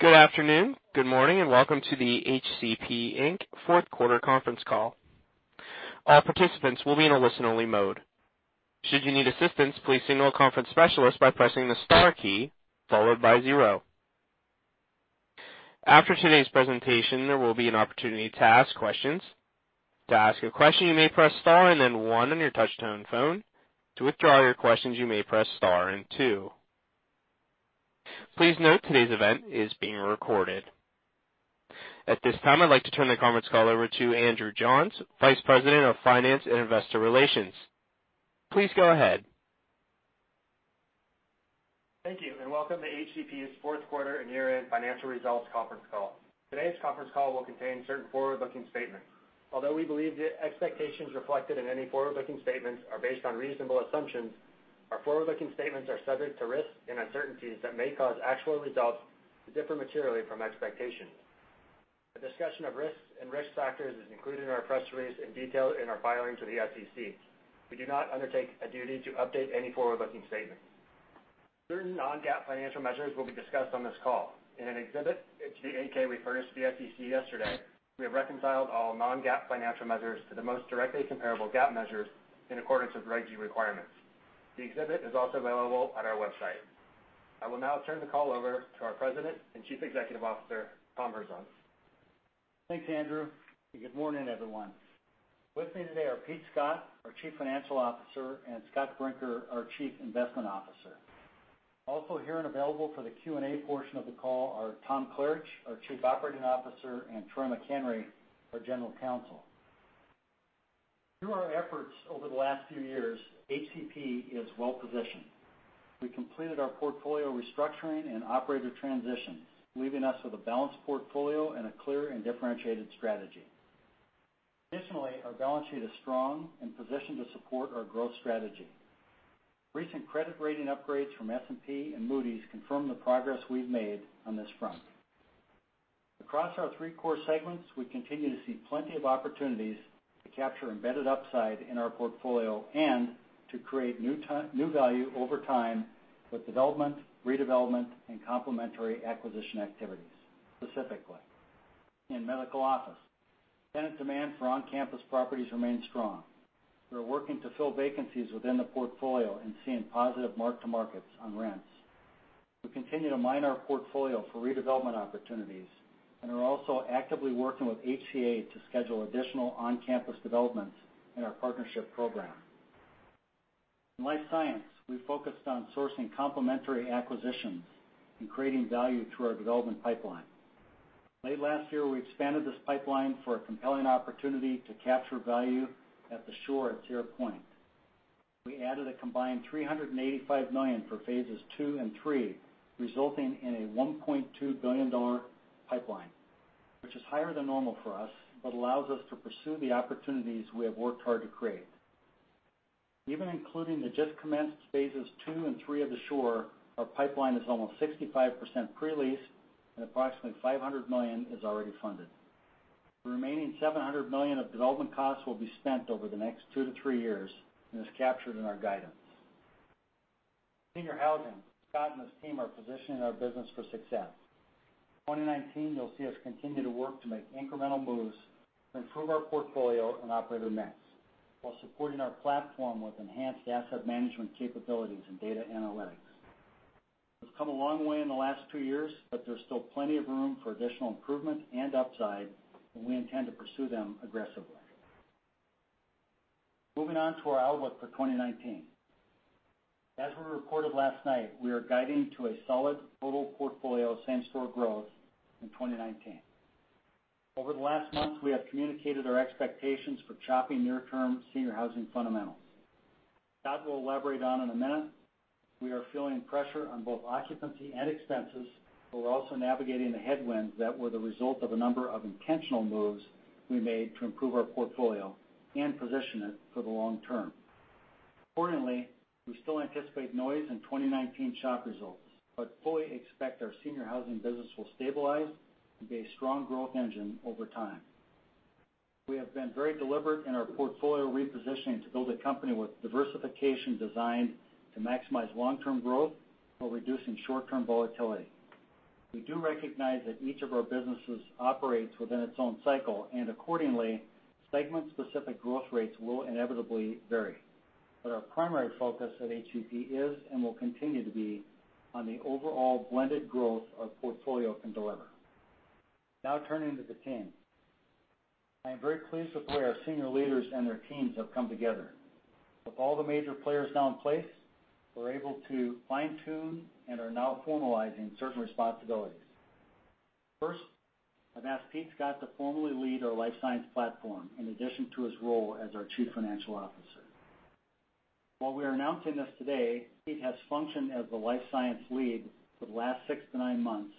Good afternoon, good morning, welcome to the HCP, Inc. fourth quarter conference call. All participants will be in a listen-only mode. Should you need assistance, please signal a conference specialist by pressing the star key followed by zero. After today's presentation, there will be an opportunity to ask questions. To ask a question, you may press star and then one on your touch-tone phone. To withdraw your questions, you may press star and two. Please note, today's event is being recorded. At this time, I'd like to turn the conference call over to Andrew Johns, Vice President of Finance and Investor Relations. Please go ahead. Thank you, welcome to HCP's fourth quarter and year-end financial results conference call. Today's conference call will contain certain forward-looking statements. Although we believe the expectations reflected in any forward-looking statements are based on reasonable assumptions, our forward-looking statements are subject to risks and uncertainties that may cause actual results to differ materially from expectations. A discussion of risks and risk factors is included in our press release in detail in our filings with the SEC. We do not undertake a duty to update any forward-looking statements. Certain non-GAAP financial measures will be discussed on this call. In an exhibit to the 8-K we furnished to the SEC yesterday, we have reconciled all non-GAAP financial measures to the most directly comparable GAAP measures in accordance with Regulation G requirements. The exhibit is also available on our website. I will now turn the call over to our President and Chief Executive Officer, Tom Herzog. Thanks, Andrew, good morning, everyone. With me today are Pete Scott, our Chief Financial Officer, and Scott Brinker, our Chief Investment Officer. Also here and available for the Q&A portion of the call are Tom Klaritch, our Chief Operating Officer, and Troy McHenry, our General Counsel. Through our efforts over the last few years, HCP is well-positioned. We completed our portfolio restructuring and operator transitions, leaving us with a balanced portfolio and a clear and differentiated strategy. Additionally, our balance sheet is strong and positioned to support our growth strategy. Recent credit rating upgrades from S&P and Moody's confirm the progress we've made on this front. Across our three core segments, we continue to see plenty of opportunities to capture embedded upside in our portfolio and to create new value over time with development, redevelopment, and complementary acquisition activities. Specifically, in medical office, tenant demand for on-campus properties remains strong. We are working to fill vacancies within the portfolio and seeing positive mark-to-markets on rents. We continue to mine our portfolio for redevelopment opportunities and are also actively working with HCA to schedule additional on-campus developments in our partnership program. In life science, we've focused on sourcing complementary acquisitions and creating value through our development pipeline. Late last year, we expanded this pipeline for a compelling opportunity to capture value at The Shore at Sierra Point. We added a combined $385 million for phases 2 and 3, resulting in a $1.2 billion pipeline, which is higher than normal for us, but allows us to pursue the opportunities we have worked hard to create. Even including the just-commenced phases 2 and 3 of the Shore, our pipeline is almost 65% pre-leased and approximately $500 million is already funded. The remaining $700 million of development costs will be spent over the next 2 to 3 years and is captured in our guidance. Senior housing. Scott and his team are positioning our business for success. In 2019, you'll see us continue to work to make incremental moves to improve our portfolio and operator mix while supporting our platform with enhanced asset management capabilities and data analytics. We've come a long way in the last 2 years, but there's still plenty of room for additional improvement and upside, and we intend to pursue them aggressively. Moving on to our outlook for 2019. As we reported last night, we are guiding to a solid total portfolio same-store growth in 2019. Over the last month, we have communicated our expectations for choppy near-term senior housing fundamentals. Scott will elaborate on in a minute. We are feeling pressure on both occupancy and expenses, but we're also navigating the headwinds that were the result of a number of intentional moves we made to improve our portfolio and position it for the long term. Accordingly, we still anticipate noise in 2019 SHOP results, but fully expect our senior housing business will stabilize and be a strong growth engine over time. We have been very deliberate in our portfolio repositioning to build a company with diversification designed to maximize long-term growth while reducing short-term volatility. We do recognize that each of our businesses operates within its own cycle, and accordingly, segment-specific growth rates will inevitably vary. Our primary focus at HCP is, and will continue to be, on the overall blended growth our portfolio can deliver. Now turning to the team. I am very pleased with the way our senior leaders and their teams have come together. With all the major players now in place, we're able to fine-tune and are now formalizing certain responsibilities. First, I've asked Pete Scott to formally lead our life science platform, in addition to his role as our Chief Financial Officer. While we are announcing this today, Pete has functioned as the life science lead for the last 6 to 9 months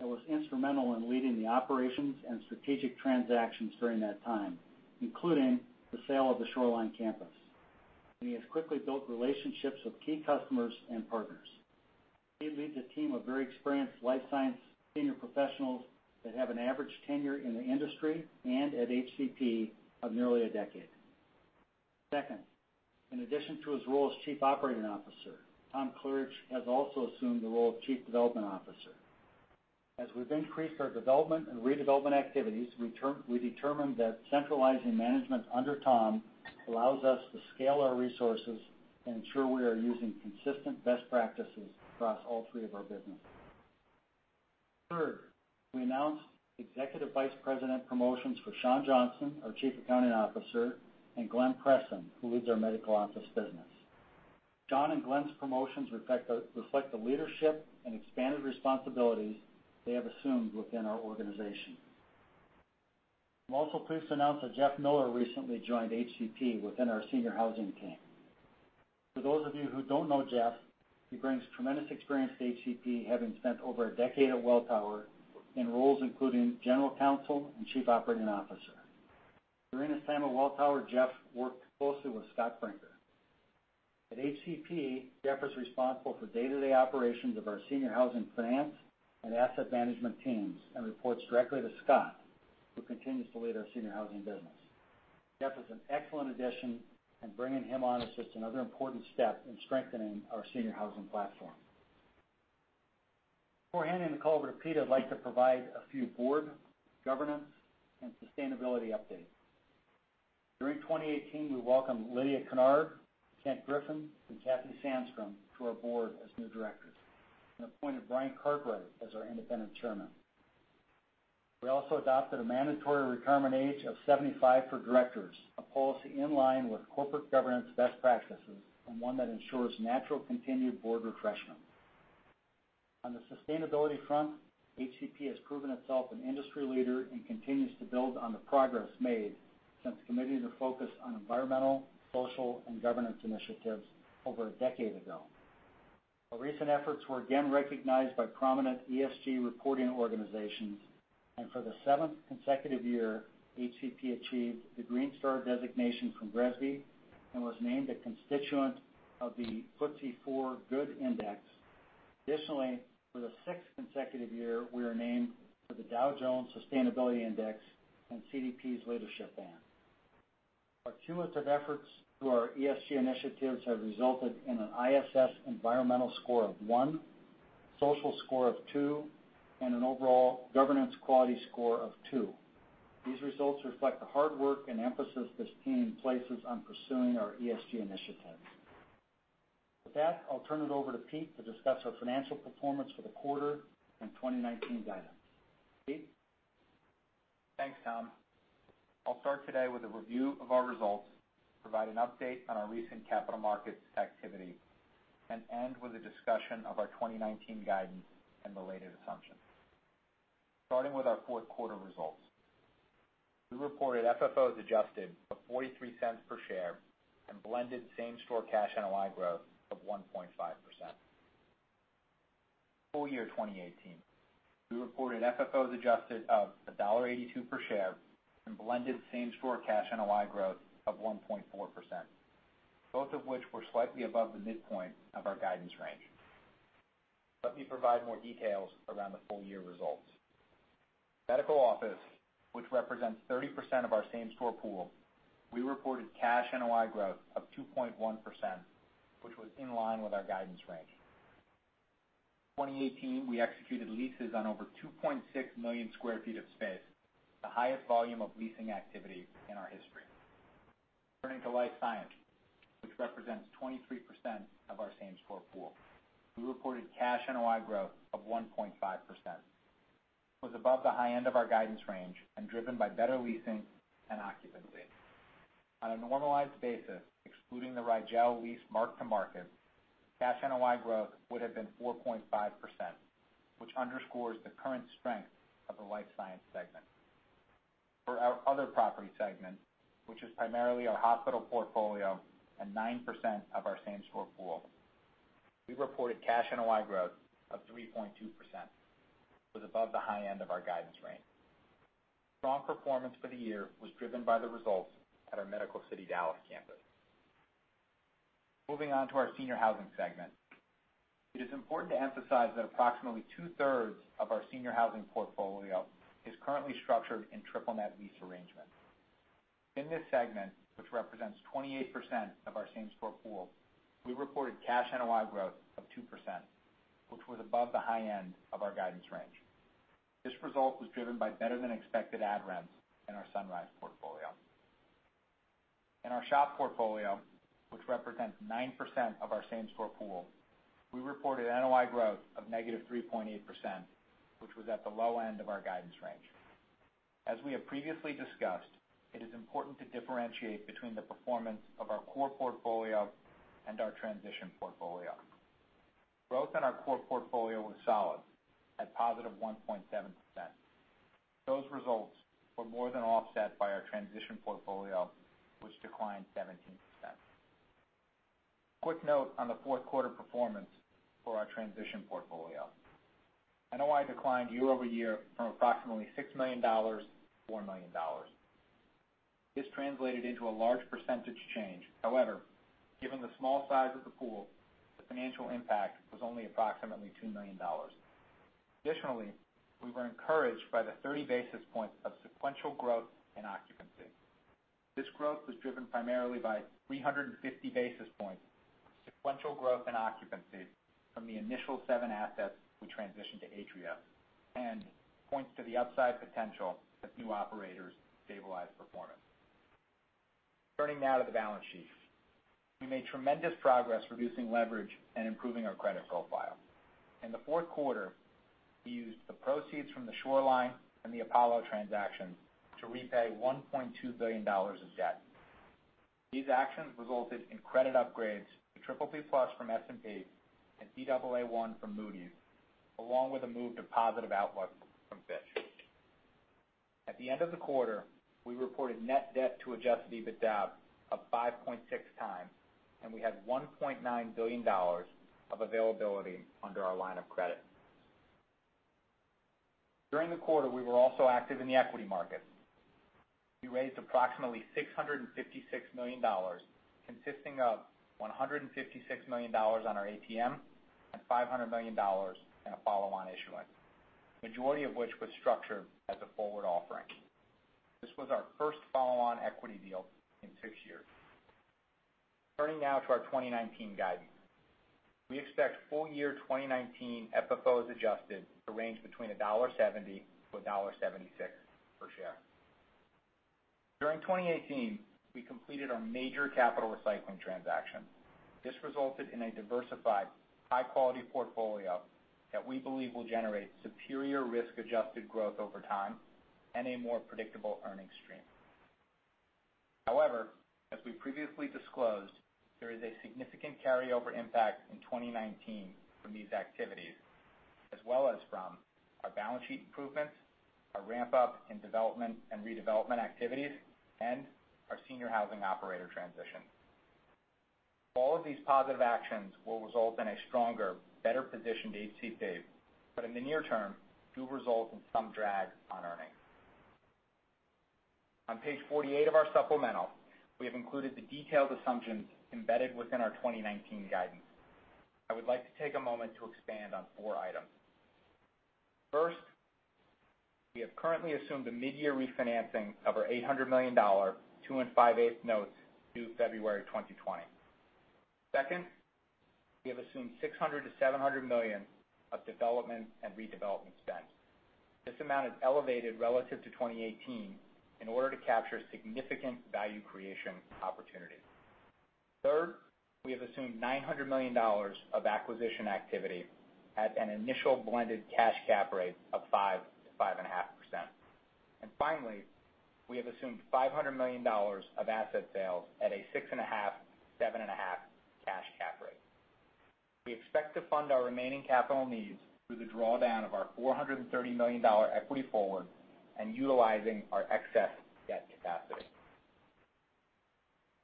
and was instrumental in leading the operations and strategic transactions during that time, including the sale of the Shoreline campus. He has quickly built relationships with key customers and partners. Pete leads a team of very experienced life science senior professionals that have an average tenure in the industry and at HCP of nearly a decade. In addition to his role as Chief Operating Officer, Tom Klaritch has also assumed the role of Chief Development Officer. As we've increased our development and redevelopment activities, we determined that centralizing management under Tom allows us to scale our resources and ensure we are using consistent best practices across all three of our businesses. We announced Executive Vice President promotions for Shawn Johnson, our Chief Accounting Officer, and Glenn Preston, who leads our medical office business. Shawn and Glenn's promotions reflect the leadership and expanded responsibilities they have assumed within our organization. I'm also pleased to announce that Jeff Miller recently joined HCP within our senior housing team. For those of you who don't know Jeff, he brings tremendous experience to HCP, having spent over a decade at Welltower in roles including General Counsel and Chief Operating Officer. During his time at Welltower, Jeff worked closely with Scott Brinker. At HCP, Jeff is responsible for day-to-day operations of our senior housing finance and asset management teams and reports directly to Scott, who continues to lead our senior housing business. Jeff is an excellent addition, and bringing him on is just another important step in strengthening our senior housing platform. Before handing the call over to Pete, I'd like to provide a few board, governance, and sustainability updates. During 2018, we welcomed Lydia Kennard, Kent Griffin, and Kathy Sandstrom to our board as new directors and appointed Brian Cartwright as our Independent Chairman. We also adopted a mandatory retirement age of 75 for directors, a policy in line with corporate governance best practices and one that ensures natural continued board refreshment. On the sustainability front, HCP has proven itself an industry leader and continues to build on the progress made since committing to focus on environmental, social, and governance initiatives over a decade ago. Our recent efforts were again recognized by prominent ESG reporting organizations. For the seventh consecutive year, HCP achieved the Green Star designation from GRESB and was named a constituent of the FTSE4Good Index. For the sixth consecutive year, we were named to the Dow Jones Sustainability Index and CDP's leadership band. Our cumulative efforts through our ESG initiatives have resulted in an ISS environmental score of one, social score of two, and an overall governance quality score of two. These results reflect the hard work and emphasis this team places on pursuing our ESG initiatives. I'll turn it over to Pete to discuss our financial performance for the quarter and 2019 guidance. Pete? Thanks, Tom. I'll start today with a review of our results, provide an update on our recent capital markets activity, and end with a discussion of our 2019 guidance and related assumptions. Starting with our fourth quarter results. We reported FFO adjusted of $0.43 per share and blended same store cash NOI growth of 1.5%. Full year 2018, we reported FFO adjusted of $1.82 per share and blended same store cash NOI growth of 1.4%, both of which were slightly above the midpoint of our guidance range. Let me provide more details around the full-year results. Medical Office, which represents 30% of our same store pool, we reported cash NOI growth of 2.1%, which was in line with our guidance range. In 2018, we executed leases on over 2.6 million sq ft of space, the highest volume of leasing activity in our history. Turning to Life Science, which represents 23% of our same store pool, we reported cash NOI growth of 1.5%, was above the high end of our guidance range and driven by better leasing and occupancy. On a normalized basis, excluding the Rigel lease mark-to-market, cash NOI growth would have been 4.5%, which underscores the current strength of the Life Science segment. For our other property segment, which is primarily our hospital portfolio and 9% of our same store pool, we reported cash NOI growth of 3.2%, was above the high end of our guidance range. Strong performance for the year was driven by the results at our Medical City Dallas campus. Moving on to our senior housing segment. It is important to emphasize that approximately two-thirds of our senior housing portfolio is currently structured in triple net lease arrangements. In this segment, which represents 28% of our same store pool, we reported cash NOI growth of 2%, which was above the high end of our guidance range. This result was driven by better-than-expected ad rents in our Sunrise portfolio. In our SHOP portfolio, which represents 9% of our same store pool, we reported NOI growth of -3.8%, which was at the low end of our guidance range. As we have previously discussed, it is important to differentiate between the performance of our core portfolio and our transition portfolio. Growth in our core portfolio was solid, at +1.7%. Those results were more than offset by our transition portfolio, which declined 17%. A quick note on the fourth quarter performance for our transition portfolio. NOI declined year-over-year from approximately $6 million-$4 million. This translated into a large percentage change. However, given the small size of the pool, the financial impact was only approximately $2 million. Additionally, we were encouraged by the 30 basis points of sequential growth in occupancy. This growth was driven primarily by 350 basis points, sequential growth in occupancy from the initial seven assets we transitioned to Atria, and points to the upside potential as new operators stabilize performance. Turning now to the balance sheet. We made tremendous progress reducing leverage and improving our credit profile. In the fourth quarter, we used the proceeds from the Shoreline and the Apollo transaction to repay $1.2 billion of debt. These actions resulted in credit upgrades to BBB+ from S&P and Baa1 from Moody's, along with a move to positive outlook from Fitch. At the end of the quarter, we reported net debt to adjusted EBITDA of 5.6 times, and we had $1.9 billion of availability under our line of credit. During the quarter, we were also active in the equity markets. We raised approximately $656 million, consisting of $156 million on our ATM and $500 million in a follow-on issuance, majority of which was structured as a forward offering. This was our first follow-on equity deal in six years. Turning now to our 2019 guidance. We expect full-year 2019 FFO adjusted to range between $1.70-$1.76 per share. During 2018, we completed our major capital recycling transaction. This resulted in a diversified, high-quality portfolio that we believe will generate superior risk-adjusted growth over time and a more predictable earnings stream. As we previously disclosed, there is a significant carryover impact in 2019 from these activities, as well as from our balance sheet improvements, our ramp-up in development and redevelopment activities, and our senior housing operator transition. All of these positive actions will result in a stronger, better-positioned HCP, but in the near term, do result in some drag on earnings. On page 48 of our supplemental, we have included the detailed assumptions embedded within our 2019 guidance. I would like to take a moment to expand on four items. First, we have currently assumed a mid-year refinancing of our $800 million two-and-five-eighth notes due February 2020. Second, we have assumed $600 million-$700 million of development and redevelopment spend. This amount is elevated relative to 2018 in order to capture significant value creation opportunities. Third, we have assumed $900 million of acquisition activity at an initial blended cash cap rate of 5%-5.5%. Finally, we have assumed $500 million of asset sales at a 6.5%-7.5% cash cap rate. We expect to fund our remaining capital needs through the drawdown of our $430 million equity forward and utilizing our excess debt capacity.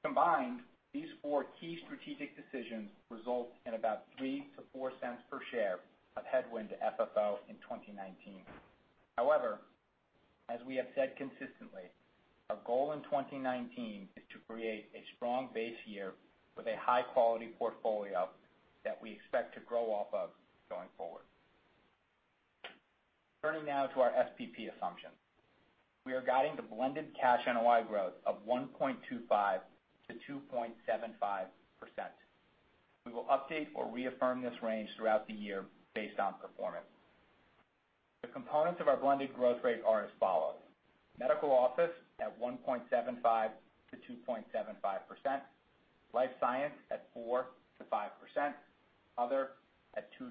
Combined, these four key strategic decisions result in about $0.03-$0.04 per share of headwind to FFO in 2019. As we have said consistently, our goal in 2019 is to create a strong base year with a high-quality portfolio that we expect to grow off of going forward. Turning now to our SPP assumption. We are guiding to blended cash NOI growth of 1.25%-2.75%. We will update or reaffirm this range throughout the year based on performance. The components of our blended growth rate are as follows. Medical office at 1.75%-2.75%, life science at 4%-5%, other at 2%-3%,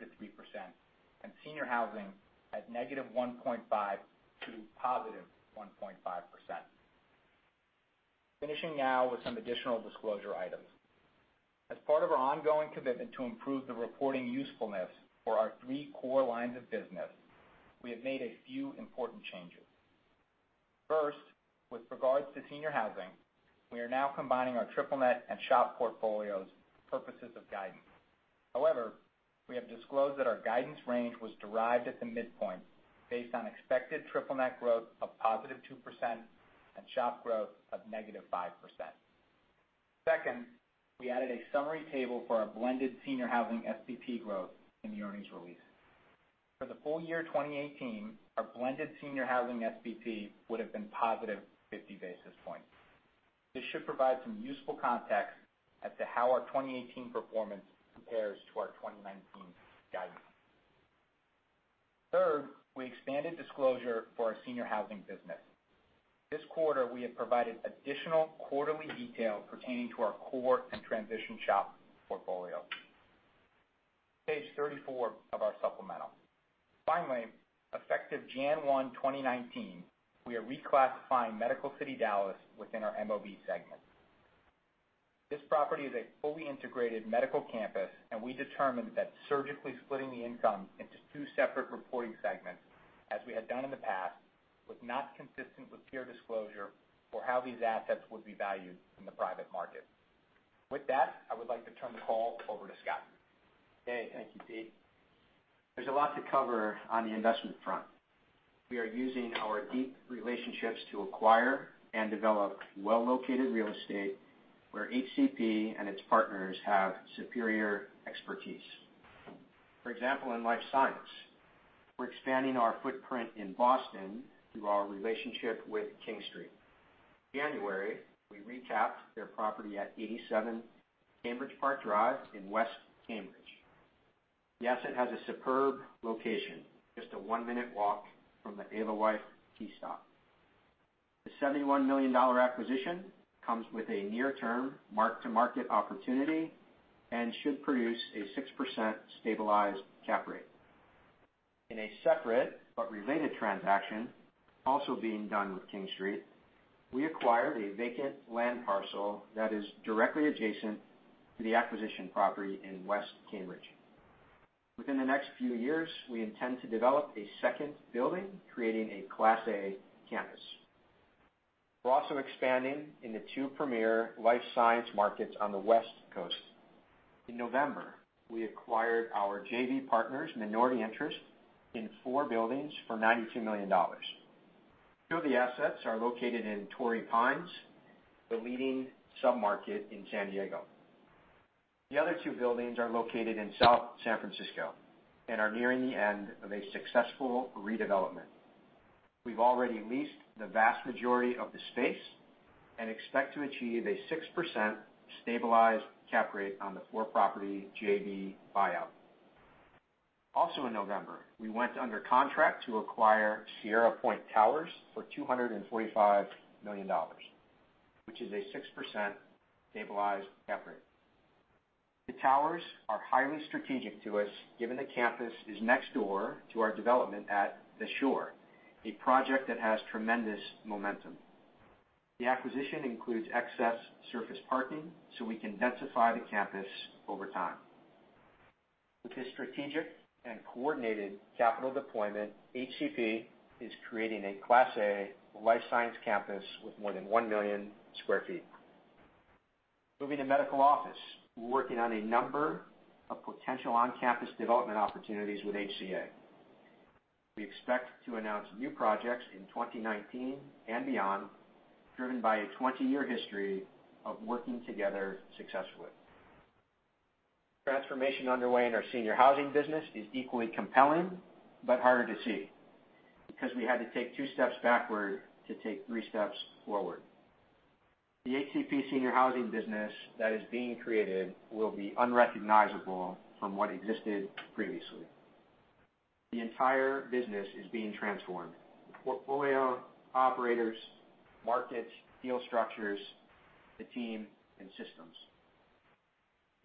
and senior housing at -1.5% to +1.5%. Finishing now with some additional disclosure items. As part of our ongoing commitment to improve the reporting usefulness for our three core lines of business, we have made a few important changes. First, with regards to senior housing, we are now combining our triple-net and SHOP portfolios for purposes of guidance. We have disclosed that our guidance range was derived at the midpoint, based on expected triple-net growth of +2% and SHOP growth of -5%. Second, we added a summary table for our blended senior housing SPP growth in the earnings release. For the full year 2018, our blended senior housing SPP would've been +50 basis points. This should provide some useful context as to how our 2018 performance compares to our 2019 guidance. Third, we expanded disclosure for our senior housing business. This quarter, we have provided additional quarterly detail pertaining to our core and transition SHOP portfolio. Page 34 of our supplemental. Finally, effective January 1, 2019, we are reclassifying Medical City Dallas within our MOB segment. This property is a fully integrated medical campus, and we determined that surgically splitting the income into two separate reporting segments, as we had done in the past, was not consistent with peer disclosure for how these assets would be valued in the private market. With that, I would like to turn the call over to Scott. Okay. Thank you, Pete. There's a lot to cover on the investment front. We are using our deep relationships to acquire and develop well-located real estate where HCP and its partners have superior expertise. For example, in life science, we're expanding our footprint in Boston through our relationship with King Street. January, we recapped their property at 87 Cambridge Park Drive in West Cambridge. The asset has a superb location, just a one-minute walk from the Alewife T stop. The $71 million acquisition comes with a near-term market-to-market opportunity and should produce a 6% stabilized cap rate. In a separate but related transaction, also being done with King Street, we acquired a vacant land parcel that is directly adjacent to the acquisition property in West Cambridge. Within the next few years, we intend to develop a second building, creating a class A campus. We're also expanding in the two premier life science markets on the West Coast. In November, we acquired our JV partner's minority interest in four buildings for $92 million. Two of the assets are located in Torrey Pines, the leading sub-market in San Diego. The other two buildings are located in South San Francisco and are nearing the end of a successful redevelopment. We've already leased the vast majority of the space and expect to achieve a 6% stabilized cap rate on the four-property JV buyout. Also in November, we went under contract to acquire Sierra Point Towers for $245 million, which is a 6% stabilized cap rate. The towers are highly strategic to us, given the campus is next door to our development at The Shore, a project that has tremendous momentum. The acquisition includes excess surface parking so we can densify the campus over time. With this strategic and coordinated capital deployment, HCP is creating a class A life science campus with more than 1 million square feet. Moving to medical office. We're working on a number of potential on-campus development opportunities with HCA. We expect to announce new projects in 2019 and beyond, driven by a 20-year history of working together successfully. The transformation underway in our senior housing business is equally compelling but harder to see, because we had to take two steps backward to take three steps forward. The HCP senior housing business that is being created will be unrecognizable from what existed previously. The entire business is being transformed. The portfolio, operators, markets, deal structures, the team, and systems.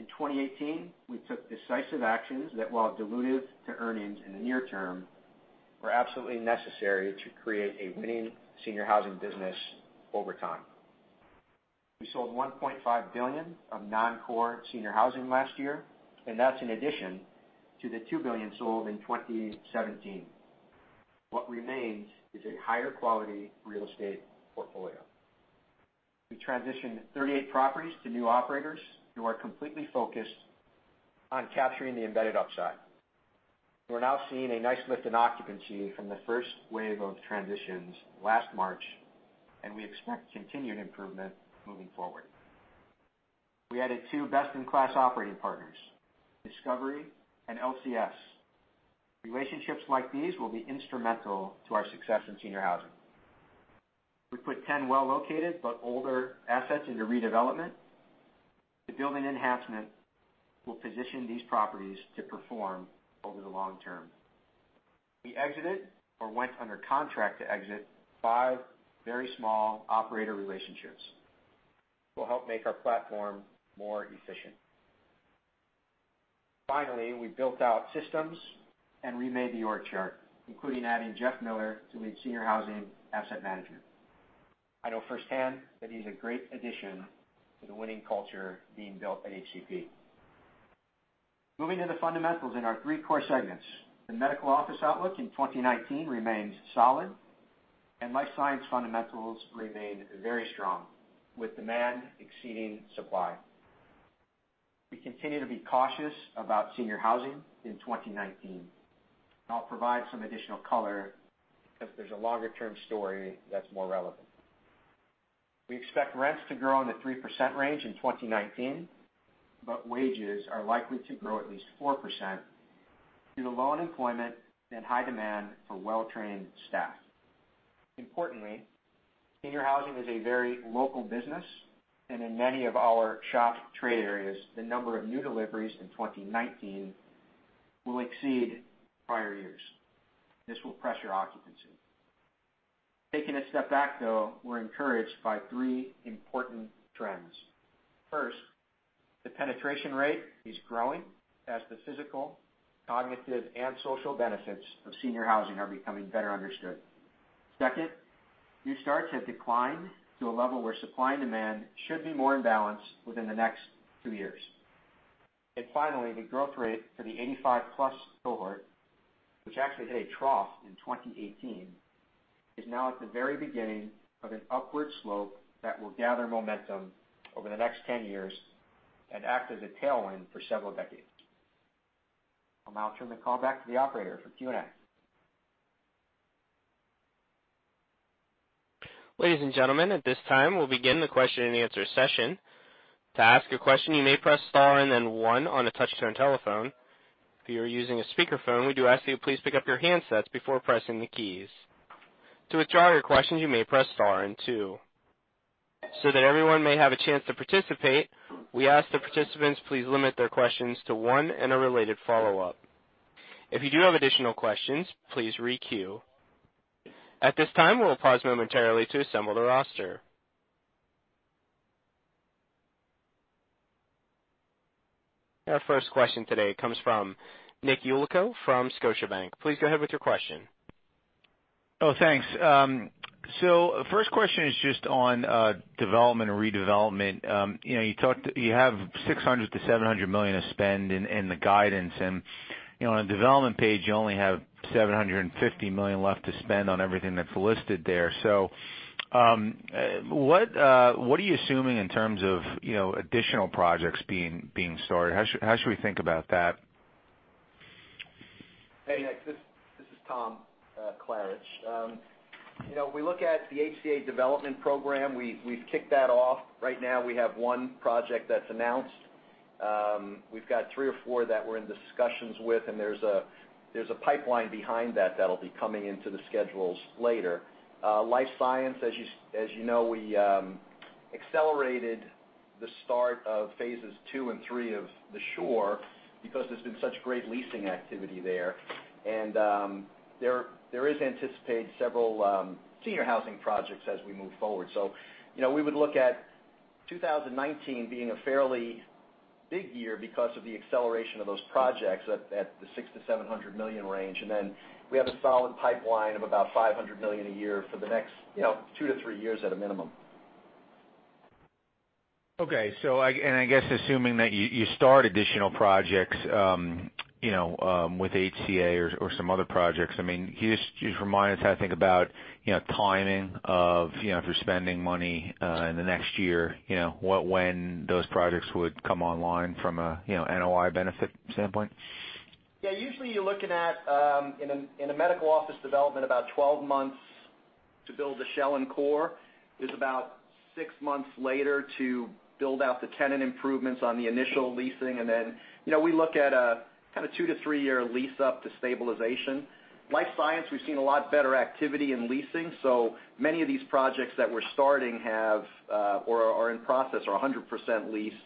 In 2018, we took decisive actions that, while dilutive to earnings in the near term, were absolutely necessary to create a winning senior housing business over time. We sold $1.5 billion of non-core senior housing last year. That's in addition to the $2 billion sold in 2017. What remains is a higher-quality real estate portfolio. We transitioned 38 properties to new operators who are completely focused on capturing the embedded upside. We're now seeing a nice lift in occupancy from the first wave of transitions last March. We expect continued improvement moving forward. We added two best-in-class operating partners, Discovery and LCS. Relationships like these will be instrumental to our success in senior housing. We put 10 well-located but older assets into redevelopment. The building enhancement will position these properties to perform over the long term. We exited or went under contract to exit five very small operator relationships. This will help make our platform more efficient. Finally, we built out systems and remade the org chart, including adding Jeff Miller to lead senior housing asset management. I know firsthand that he's a great addition to the winning culture being built at HCP. Moving to the fundamentals in our three core segments. The medical office outlook in 2019 remains solid. Life science fundamentals remain very strong, with demand exceeding supply. We continue to be cautious about senior housing in 2019. I'll provide some additional color, because there's a longer-term story that's more relevant. We expect rents to grow in the 3% range in 2019. Wages are likely to grow at least 4% due to low unemployment and high demand for well-trained staff. Importantly, senior housing is a very local business. In many of our CHAT trade areas, the number of new deliveries in 2019 will exceed prior years. This will pressure occupancy. Taking a step back, though, we're encouraged by three important trends. First, the penetration rate is growing as the physical, cognitive, and social benefits of senior housing are becoming better understood. Second, new starts have declined to a level where supply and demand should be more in balance within the next two years. Finally, the growth rate for the 85-plus cohort, which actually hit a trough in 2018, is now at the very beginning of an upward slope that will gather momentum over the next 10 years and act as a tailwind for several decades. I'll now turn the call back to the operator for Q&A. Ladies and gentlemen, at this time, we'll begin the question and answer session. To ask a question, you may press star and then one on a touch-tone telephone. If you're using a speakerphone, we do ask that you please pick up your handsets before pressing the keys. To withdraw your question, you may press star and two. That everyone may have a chance to participate, we ask that participants please limit their questions to one and a related follow-up. If you do have additional questions, please re-queue. At this time, we'll pause momentarily to assemble the roster. Our first question today comes from Nicholas Yulico from Scotiabank. Please go ahead with your question. Thanks. First question is just on development and redevelopment. You have $600 million-$700 million of spend in the guidance, and on the development page, you only have $750 million left to spend on everything that's listed there. What are you assuming in terms of additional projects being started? How should we think about that? Hey, Nick, this is Tom Klaritch. We look at the HCA development program. We've kicked that off. Right now, we have one project that's announced. We've got three or four that we're in discussions with, and there's a pipeline behind that that'll be coming into the schedules later. Life science, as you know, we accelerated the start of phases two and three of The Shore because there's been such great leasing activity there. There is anticipated several senior housing projects as we move forward. We would look at 2019 being a fairly big year because of the acceleration of those projects at the $600 million-$700 million range. We have a solid pipeline of about $500 million a year for the next two to three years at a minimum. Okay. I guess assuming that you start additional projects, with HCA or some other projects, can you just remind us how to think about timing of if you're spending money in the next year, when those projects would come online from a NOI benefit standpoint? Usually you're looking at, in a medical office development, about 12 months to build the shell and core. It's about six months later to build out the tenant improvements on the initial leasing. Then, we look at a kind of two- to three-year lease-up to stabilization. Life science, we've seen a lot better activity in leasing, many of these projects that we're starting have, or are in process, are 100% leased.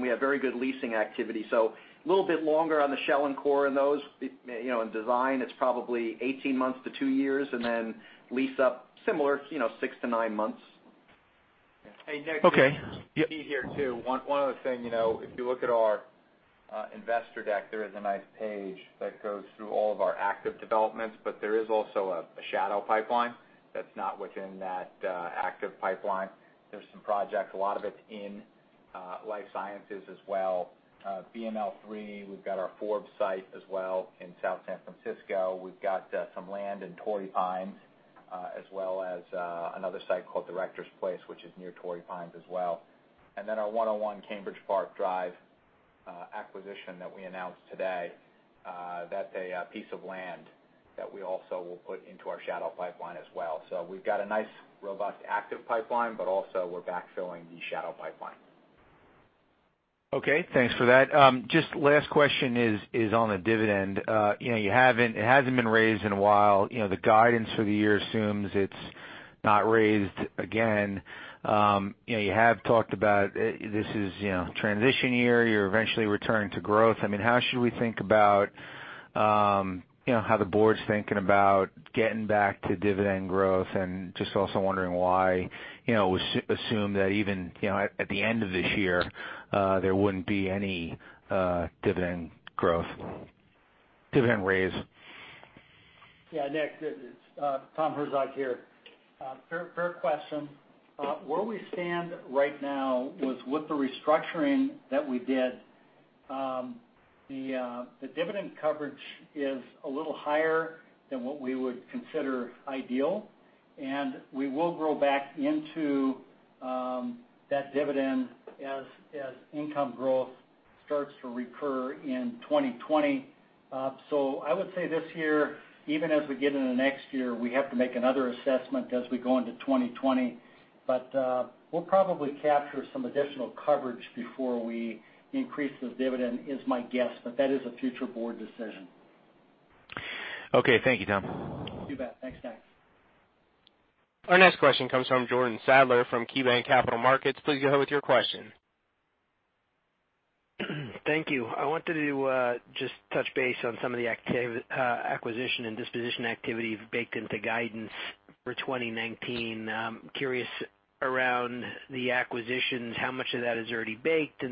We have very good leasing activity. A little bit longer on the shell and core in those. In design, it's probably 18 months to two years, then lease-up, similar, six to nine months. Okay. Hey, Nick. Pete here, too. One other thing, if you look at our investor deck, there is a nice page that goes through all of our active developments, there is also a shadow pipeline that's not within that active pipeline. There's some projects, a lot of it's in life sciences as well. BML III, we've got our Forbes site as well in South San Francisco. We've got some land in Torrey Pines as well as another site called Directors Place, which is near Torrey Pines as well. Then our 101 Cambridge Park Drive acquisition that we announced today, that's a piece of land that we also will put into our shadow pipeline as well. We've got a nice, robust, active pipeline, also we're backfilling the shadow pipeline. Okay, thanks for that. Just last question is on the dividend. It hasn't been raised in a while. The guidance for the year assumes it's not raised again. You have talked about this is a transition year. You're eventually returning to growth. How should we think about how the board's thinking about getting back to dividend growth, and just also wondering why assume that even at the end of this year, there wouldn't be any dividend growth, dividend raise? Nick, it's Tom Herzog here. Fair question. Where we stand right now was with the restructuring that we did, the dividend coverage is a little higher than what we would consider ideal, we will grow back into that dividend as income growth starts to recur in 2020. I would say this year, even as we get into next year, we have to make another assessment as we go into 2020. We'll probably capture some additional coverage before we increase the dividend is my guess, that is a future board decision. Okay, thank you, Tom. You bet. Thanks, Nick. Our next question comes from Jordan Sadler from KeyBanc Capital Markets. Please go ahead with your question. Thank you. I wanted to just touch base on some of the acquisition and disposition activity baked into guidance for 2019. I'm curious around the acquisitions, how much of that is already baked,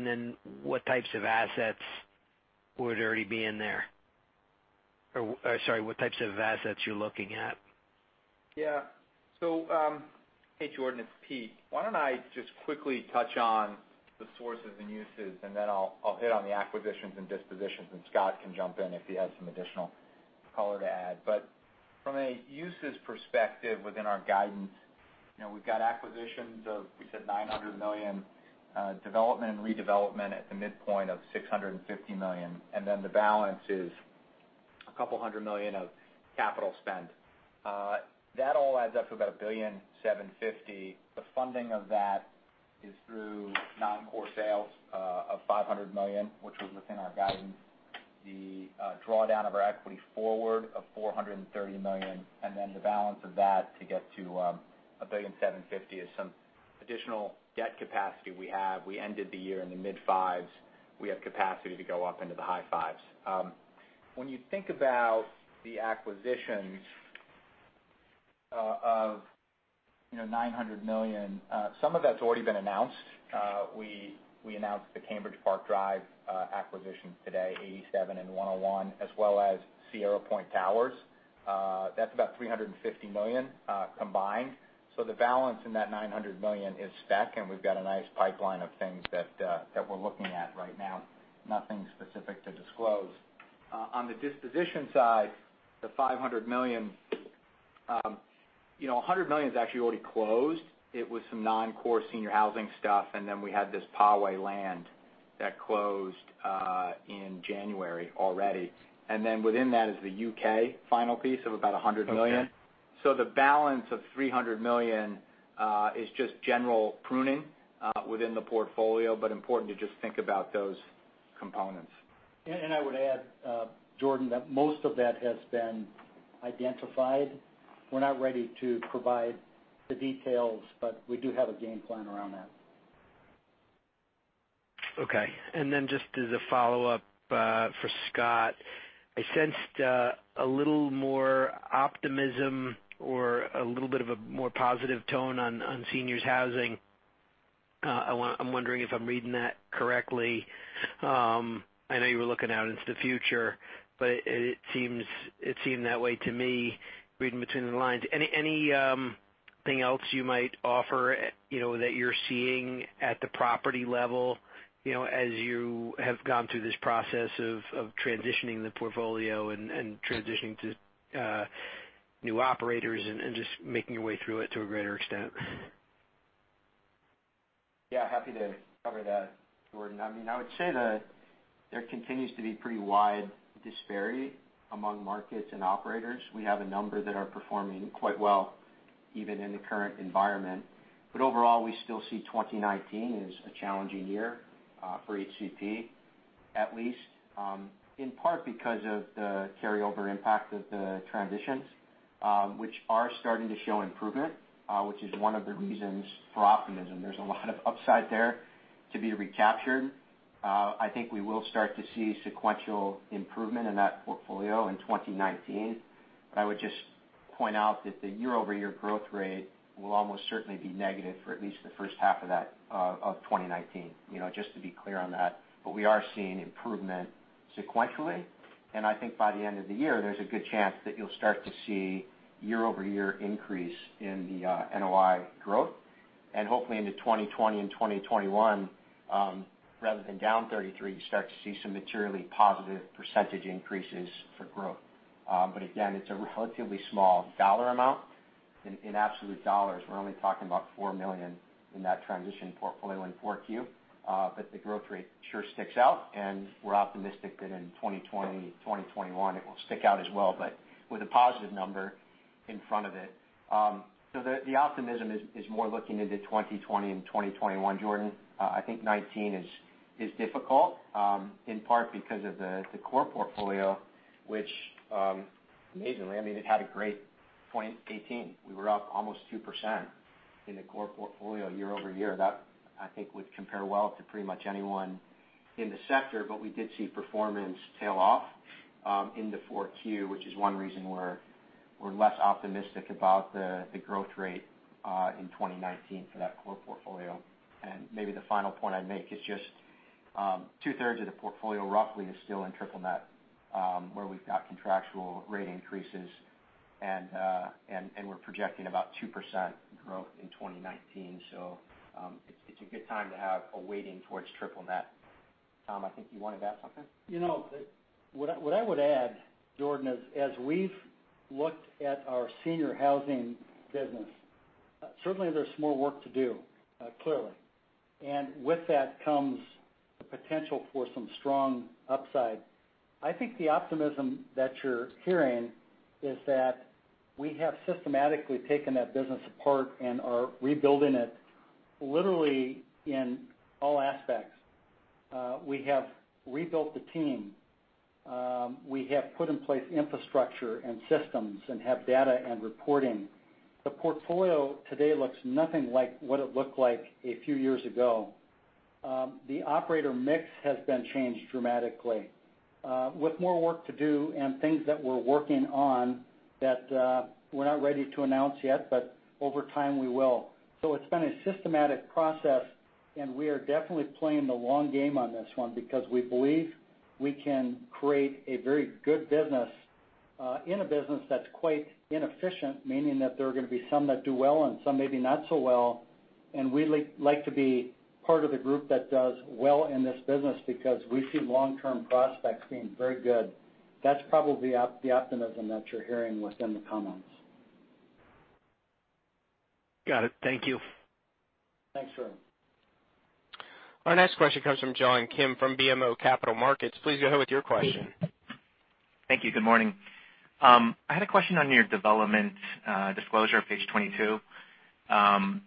what types of assets would already be in there? Sorry, what types of assets you're looking at? Jordan, it's Pete. Why don't I just quickly touch on the sources and uses, then I'll hit on the acquisitions and dispositions, and Scott can jump in if he has some additional color to add. From a uses perspective within our guidance We've got acquisitions of $900 million, development and redevelopment at the midpoint of $650 million, the balance is about $200 million of capital spend. That all adds up to about $1.75 billion. The funding of that is through non-core sales of $500 million, which was within our guidance, the drawdown of our equity forward of $430 million, the balance of that to get to $1.75 billion is some additional debt capacity we have. We ended the year in the mid-fives. We have capacity to go up into the high fives. When you think about the acquisitions of $900 million, some of that's already been announced. We announced the Cambridge Park Drive acquisition today, 87 and 101, as well as Sierra Point Towers. That's about $350 million combined. The balance in that $900 million is spec, we've got a nice pipeline of things that we're looking at right now. Nothing specific to disclose. On the disposition side, the $500 million, $100 million is actually already closed. It was some non-core senior housing stuff, we had this Poway land that closed in January already. Within that is the U.K. final piece of about $100 million. Okay. The balance of $300 million is just general pruning within the portfolio, important to just think about those components. I would add, Jordan, that most of that has been identified. We're not ready to provide the details, but we do have a game plan around that. Just as a follow-up for Scott, I sensed a little more optimism or a little bit of a more positive tone on seniors housing. I'm wondering if I'm reading that correctly. I know you were looking out into the future, but it seemed that way to me, reading between the lines. Anything else you might offer that you're seeing at the property level, as you have gone through this process of transitioning the portfolio and transitioning to new operators, and just making your way through it to a greater extent? Happy to cover that, Jordan. I would say that there continues to be pretty wide disparity among markets and operators. We have a number that are performing quite well, even in the current environment. Overall, we still see 2019 as a challenging year for HCP, at least, in part because of the carryover impact of the transitions, which are starting to show improvement, which is one of the reasons for optimism. There's a lot of upside there to be recaptured. I think we will start to see sequential improvement in that portfolio in 2019. I would just point out that the year-over-year growth rate will almost certainly be negative for at least the first half of 2019, just to be clear on that. We are seeing improvement sequentially, and I think by the end of the year, there's a good chance that you'll start to see year-over-year increase in the NOI growth. Hopefully into 2020 and 2021, rather than down 33, you start to see some materially positive percentage increases for growth. Again, it's a relatively small dollar amount. In absolute dollars, we're only talking about $4 million in that transition portfolio in 4Q, but the growth rate sure sticks out, and we're optimistic that in 2020, 2021, it will stick out as well, but with a positive number in front of it. The optimism is more looking into 2020 and 2021, Jordan. I think 2019 is difficult, in part because of the core portfolio, which amazingly, it had a great 2018. We were up almost 2% in the core portfolio year-over-year. That, I think, would compare well to pretty much anyone in the sector. We did see performance tail off into 4Q, which is one reason we're less optimistic about the growth rate in 2019 for that core portfolio. Maybe the final point I'd make is just two-thirds of the portfolio, roughly, is still in triple net, where we've got contractual rate increases, and we're projecting about 2% growth in 2019. It's a good time to have a weighting towards triple net. Tom, I think you want to add something? What I would add, Jordan, is as we've looked at our senior housing business, certainly there's more work to do, clearly. With that comes the potential for some strong upside. I think the optimism that you're hearing is that we have systematically taken that business apart and are rebuilding it literally in all aspects. We have rebuilt the team. We have put in place infrastructure and systems and have data and reporting. The portfolio today looks nothing like what it looked like a few years ago. The operator mix has been changed dramatically with more work to do and things that we're working on that we're not ready to announce yet, but over time, we will. It's been a systematic process, and we are definitely playing the long game on this one because we believe we can create a very good business in a business that's quite inefficient, meaning that there are going to be some that do well and some maybe not so well. We like to be part of the group that does well in this business because we see long-term prospects being very good. That's probably the optimism that you're hearing within the comments. Got it. Thank you. Thanks, Jordan. Our next question comes from John Kim from BMO Capital Markets. Please go ahead with your question. Thank you. Good morning. I had a question on your development disclosure, page 22.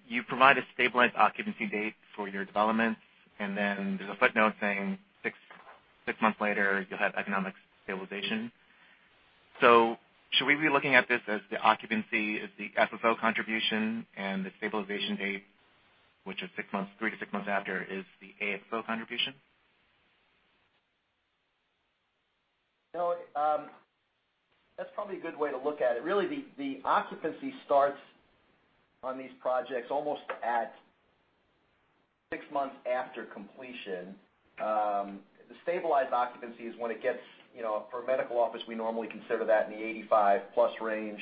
You provide a stabilized occupancy date for your developments, and then there's a footnote saying six months later you'll have economic stabilization. Should we be looking at this as the occupancy is the FFO contribution and the stabilization date, which is three to six months after, is the AFFO contribution? No, that's probably a good way to look at it. Really, the occupancy starts on these projects almost at six months after completion. The stabilized occupancy is when, for a medical office, we normally consider that in the 85+ range,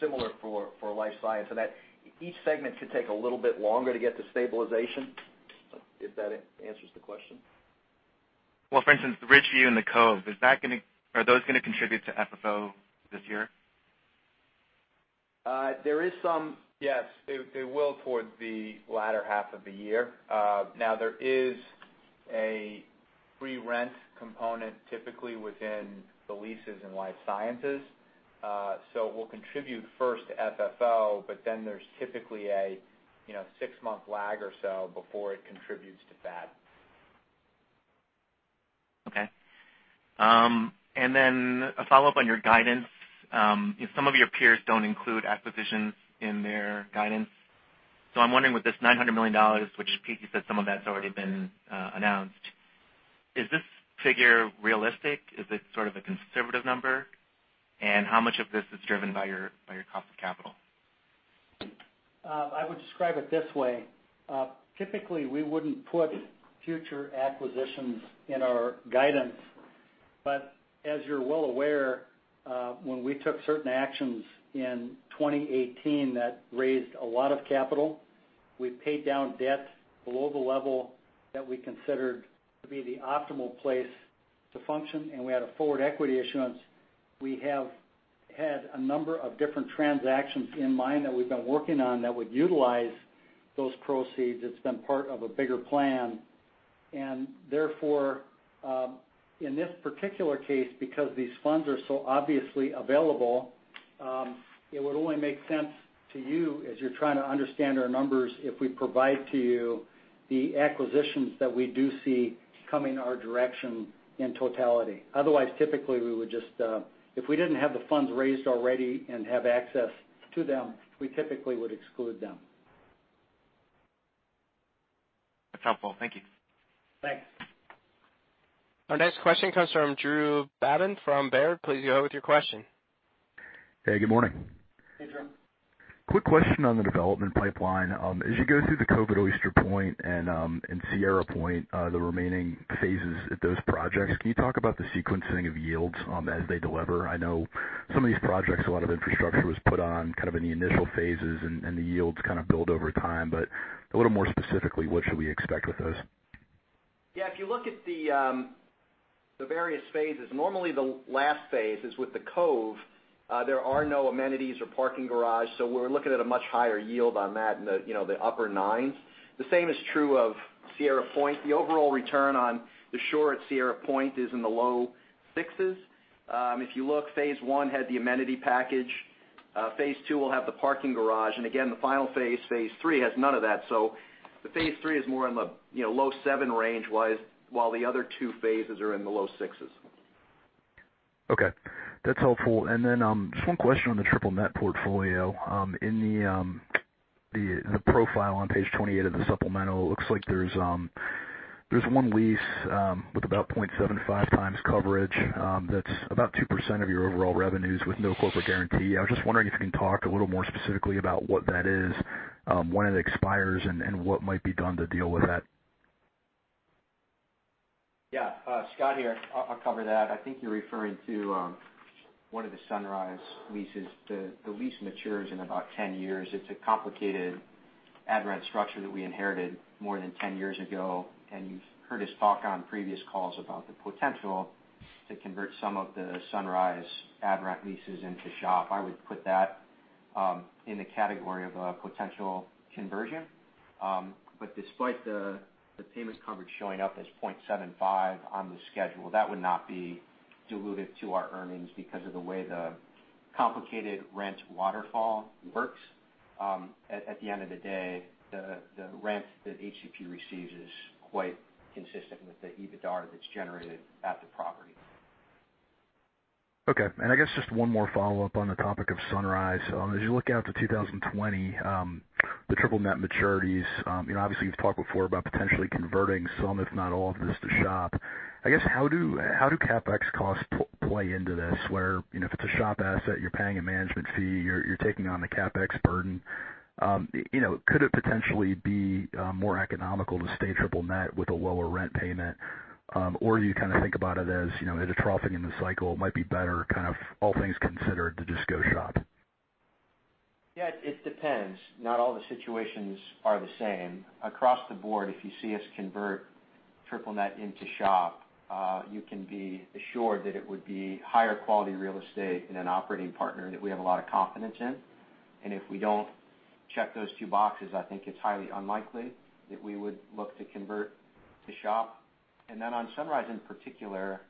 similar for life science. That each segment should take a little bit longer to get to stabilization. If that answers the question. Well, for instance, The Ridgeview and The Cove, are those going to contribute to FFO this year? Yes. They will towards the latter half of the year. There is a free rent component typically within the leases in life sciences. It will contribute first to FFO, there's typically a six-month lag or so before it contributes to that. Okay. A follow-up on your guidance. Some of your peers don't include acquisitions in their guidance. I'm wondering with this $900 million, which Pete, you said some of that's already been announced, is this figure realistic? Is it sort of a conservative number? How much of this is driven by your cost of capital? I would describe it this way. Typically, we wouldn't put future acquisitions in our guidance. As you're well aware, when we took certain actions in 2018 that raised a lot of capital, we paid down debt below the level that we considered to be the optimal place to function, and we had a forward equity issuance. We have had a number of different transactions in mind that we've been working on that would utilize those proceeds. It's been part of a bigger plan. Therefore, in this particular case, because these funds are so obviously available, it would only make sense to you as you're trying to understand our numbers, if we provide to you the acquisitions that we do see coming our direction in totality. Otherwise, typically, if we didn't have the funds raised already and have access to them, we typically would exclude them. That's helpful. Thank you. Thanks. Our next question comes from Drew Babin from Baird. Please go ahead with your question. Hey, good morning. Hey, Drew. Quick question on the development pipeline. As you go through The Cove at Oyster Point and Sierra Point, the remaining phases at those projects, can you talk about the sequencing of yields as they deliver? I know some of these projects, a lot of infrastructure was put on kind of in the initial phases, and the yields kind of build over time. A little more specifically, what should we expect with those? If you look at the various phases, normally the last phase is with The Cove. There are no amenities or parking garage, we're looking at a much higher yield on that in the upper 9s. The same is true of Sierra Point. The overall return on the shore at Sierra Point is in the low 6s. If you look, phase 1 had the amenity package. Phase 2 will have the parking garage. Again, the final phase 3, has none of that. The phase 3 is more on the low 7 range, while the other 2 phases are in the low 6s. Okay, that's helpful. Just one question on the triple net portfolio. In the profile on page 28 of the supplemental, it looks like there's one lease with about 0.75x coverage. That's about 2% of your overall revenues with no corporate guarantee. I was just wondering if you can talk a little more specifically about what that is, when it expires, and what might be done to deal with that. Scott here. I'll cover that. I think you're referring to one of the Sunrise leases. The lease matures in about 10 years. It's a complicated ad rent structure that we inherited more than 10 years ago, you've heard us talk on previous calls about the potential to convert some of the Sunrise ad rent leases into SHOP. I would put that in the category of a potential conversion. Despite the payments coverage showing up as 0.75 on the schedule, that would not be dilutive to our earnings because of the way the complicated rent waterfall works. At the end of the day, the rent that HCP receives is quite consistent with the EBITDAR that's generated at the property. Okay. I guess just one more follow-up on the topic of Sunrise. As you look out to 2020, the triple-net maturities, obviously you've talked before about potentially converting some, if not all of this to SHOP. I guess, how do CapEx costs play into this, where if it's a SHOP asset, you're paying a management fee, you're taking on the CapEx burden. Could it potentially be more economical to stay triple-net with a lower rent payment? Or do you kind of think about it as at a troughing in the cycle, it might be better kind of all things considered to just go SHOP? Yeah, it depends. Not all the situations are the same. Across the board, if you see us convert triple-net into SHOP, you can be assured that it would be higher-quality real estate and an operating partner that we have a lot of confidence in. If we don't check those two boxes, I think it's highly unlikely that we would look to convert to SHOP. Then on Sunrise in particular,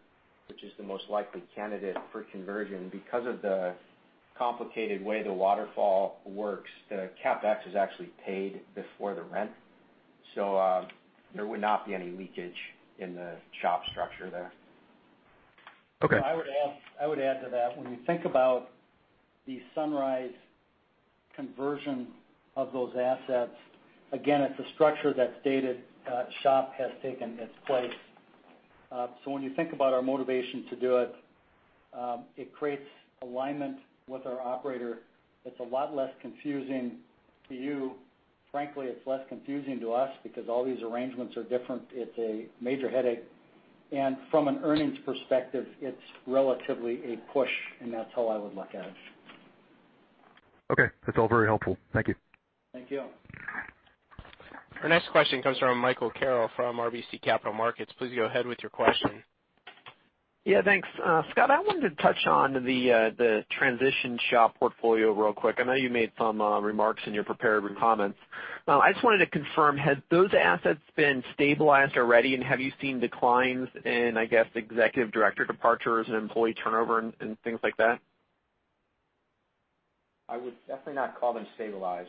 which is the most likely candidate for conversion, because of the complicated way the waterfall works, the CapEx is actually paid before the rent. So there would not be any leakage in the SHOP structure there. Okay. I would add to that. When we think about the Sunrise conversion of those assets, again, it's a structure that's dated. SHOP has taken its place. When you think about our motivation to do it creates alignment with our operator. It's a lot less confusing to you. Frankly, it's less confusing to us because all these arrangements are different. It's a major headache. From an earnings perspective, it's relatively a push, and that's how I would look at it. Okay. That's all very helpful. Thank you. Thank you. Our next question comes from Michael Carroll from RBC Capital Markets. Please go ahead with your question. Yeah, thanks. Scott, I wanted to touch on the transition SHOP portfolio real quick. I know you made some remarks in your prepared comments. I just wanted to confirm, have those assets been stabilized already, and have you seen declines in, I guess, executive director departures and employee turnover and things like that? I would definitely not call them stabilized.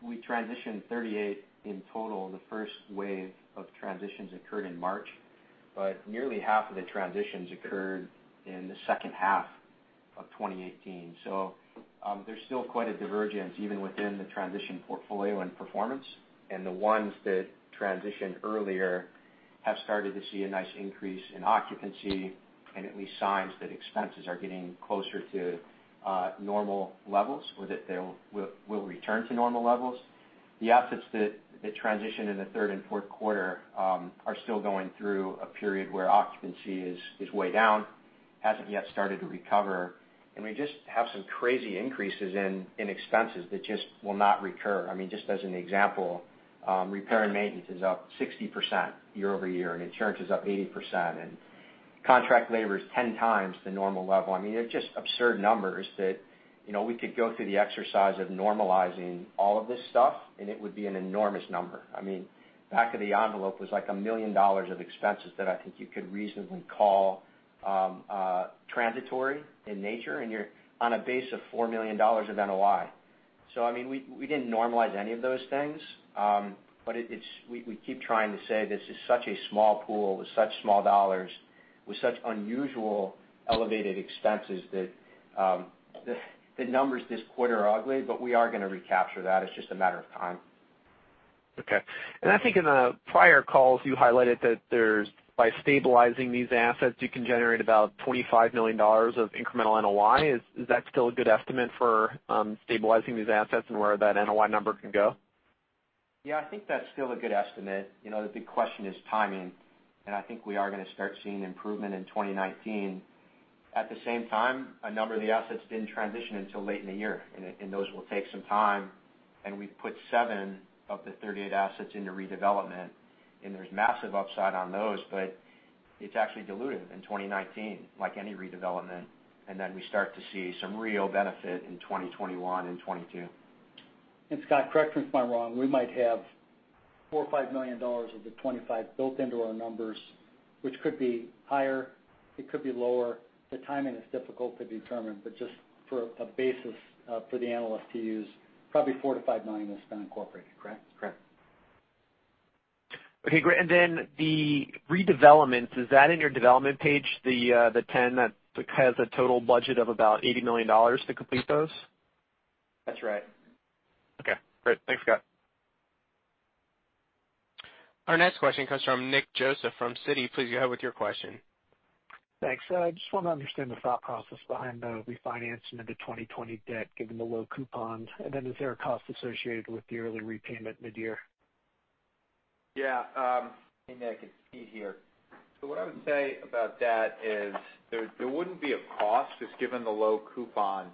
We transitioned 38 in total. The first wave of transitions occurred in March. Nearly half of the transitions occurred in the second half of 2018. There's still quite a divergence, even within the transition portfolio and performance. The ones that transitioned earlier have started to see a nice increase in occupancy and at least signs that expenses are getting closer to normal levels, or that they will return to normal levels. The assets that transition in the third and fourth quarter are still going through a period where occupancy is way down, hasn't yet started to recover. We just have some crazy increases in expenses that just will not recur. Just as an example, repair and maintenance is up 60% year-over-year, and insurance is up 80%, and contract labor is 10 times the normal level. They're just absurd numbers that we could go through the exercise of normalizing all of this stuff, and it would be an enormous number. Back of the envelope was like $1 million of expenses that I think you could reasonably call transitory in nature, and you're on a base of $4 million of NOI. We didn't normalize any of those things, but we keep trying to say this is such a small pool with such small dollars, with such unusual elevated expenses, that the numbers this quarter are ugly, but we are going to recapture that. It's just a matter of time. Okay. I think in the prior calls, you highlighted that by stabilizing these assets, you can generate about $25 million of incremental NOI. Is that still a good estimate for stabilizing these assets and where that NOI number can go? Yeah, I think that's still a good estimate. The big question is timing, and I think we are going to start seeing improvement in 2019. At the same time, a number of the assets didn't transition until late in the year, and those will take some time. We've put seven of the 38 assets into redevelopment, and there's massive upside on those, but it's actually dilutive in 2019, like any redevelopment, and then we start to see some real benefit in 2021 and 2022. Scott, correct me if I'm wrong, we might have $4 or $5 million of the $25 million built into our numbers, which could be higher, it could be lower. The timing is difficult to determine, but just for a basis for the analyst to use, probably $4 million-$5 million has been incorporated. Correct? Correct. Okay, great. Then the redevelopments, is that in your development page, the 10 that has a total budget of about $80 million to complete those? That's right. Okay, great. Thanks, Scott. Our next question comes from Nick Joseph from Citi. Please go ahead with your question. Thanks. I just want to understand the thought process behind the refinancing of the 2020 debt, given the low coupon. Is there a cost associated with the early repayment mid-year? Hey, Nick, it's Pete here. What I would say about that is there wouldn't be a cost, just given the low coupon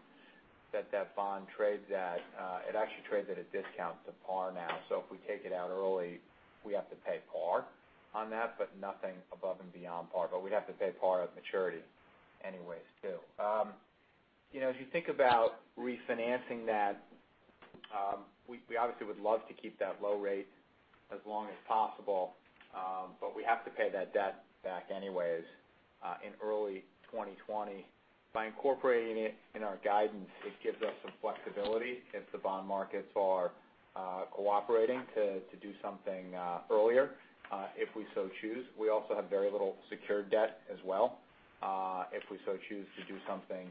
that that bond trades at. It actually trades at a discount to par now. If we take it out early, we have to pay par on that, but nothing above and beyond par. We'd have to pay par at maturity anyways, too. As you think about refinancing that, we obviously would love to keep that low rate as long as possible, but we have to pay that debt back anyways, in early 2020. By incorporating it in our guidance, it gives us some flexibility if the bond markets are cooperating to do something earlier, if we so choose. We also have very little secured debt as well, if we so choose to do something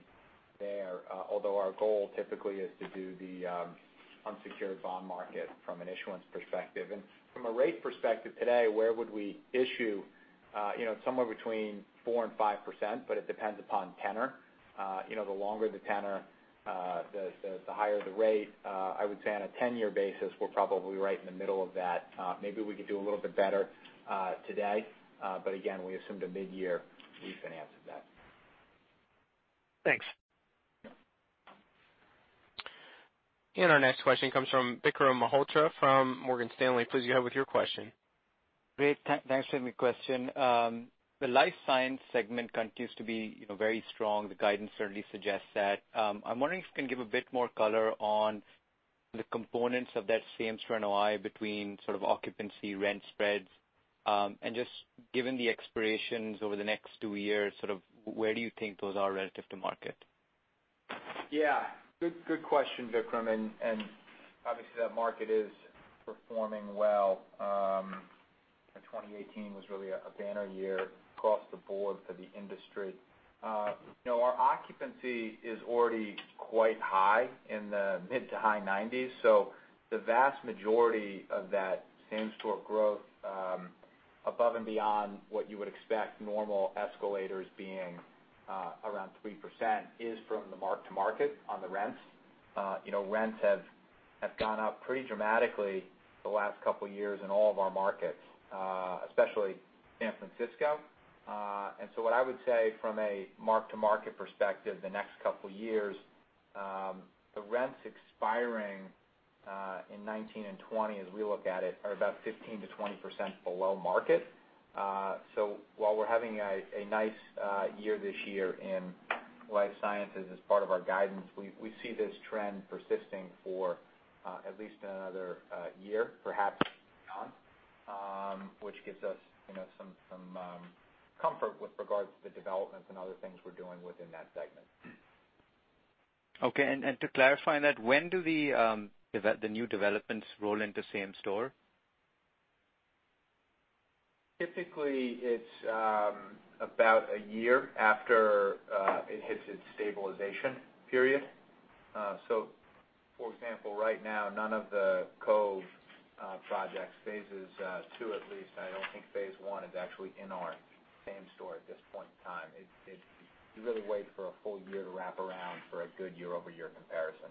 there. Although our goal typically is to do the unsecured bond market from an issuance perspective. From a rate perspective today, where would we issue? It's somewhere between 4% and 5%, but it depends upon tenor. The longer the tenor, the higher the rate. I would say on a 10-year basis, we're probably right in the middle of that. Maybe we could do a little bit better today. Again, we assumed a mid-year refinance of that. Thanks. Our next question comes from Vikram Malhotra from Morgan Stanley. Please go ahead with your question. Great. Thanks for the question. The life science segment continues to be very strong. The guidance certainly suggests that. I'm wondering if you can give a bit more color on the components of that same-store NOI between sort of occupancy rent spreads. Just given the expirations over the next two years, sort of where do you think those are relative to market? Yeah. Good question, Vikram. Obviously that market is performing well. 2018 was really a banner year across the board for the industry. Our occupancy is already quite high, in the mid to high 90s, so the vast majority of that same-store growth, above and beyond what you would expect normal escalators being around 3%, is from the mark-to-market on the rents. Rents have gone up pretty dramatically the last couple of years in all of our markets, especially San Francisco. What I would say from a mark-to-market perspective, the next couple of years, the rents expiring in 2019 and 2020, as we look at it, are about 15%-20% below market. While we're having a nice year this year in life sciences as part of our guidance, we see this trend persisting for at least another year, perhaps beyond, which gives us some comfort with regards to the developments and other things we're doing within that segment. Okay. To clarify that, when do the new developments roll into same-store? Typically, it's about a year after it hits its stabilization period. For example, right now, none of The Cove project phase II at least, I don't think phase I is actually in our same store at this point in time. You really wait for a full year to wrap around for a good year-over-year comparison.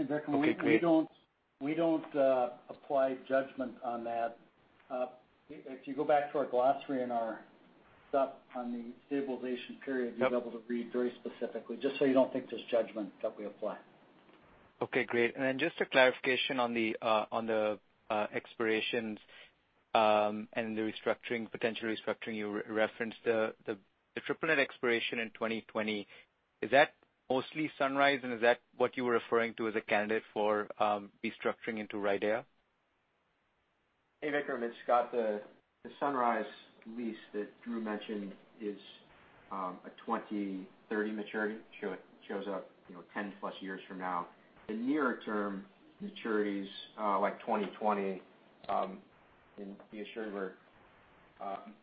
Okay, great. Vikram, we don't apply judgment on that. If you go back to our glossary and our stuff on the stabilization period- Yep you'll be able to read very specifically, just so you don't think there's judgment that we apply. Okay, great. Just a clarification on the expirations, and the potential restructuring you referenced. The triple net expiration in 2020, is that mostly Sunrise, and is that what you were referring to as a candidate for restructuring into RIDEA? Hey, Vikram. It's Scott. The Sunrise lease that Drew mentioned is a 2030 maturity. It shows up 10+ years from now. The nearer-term maturities, like 2020, be assured we're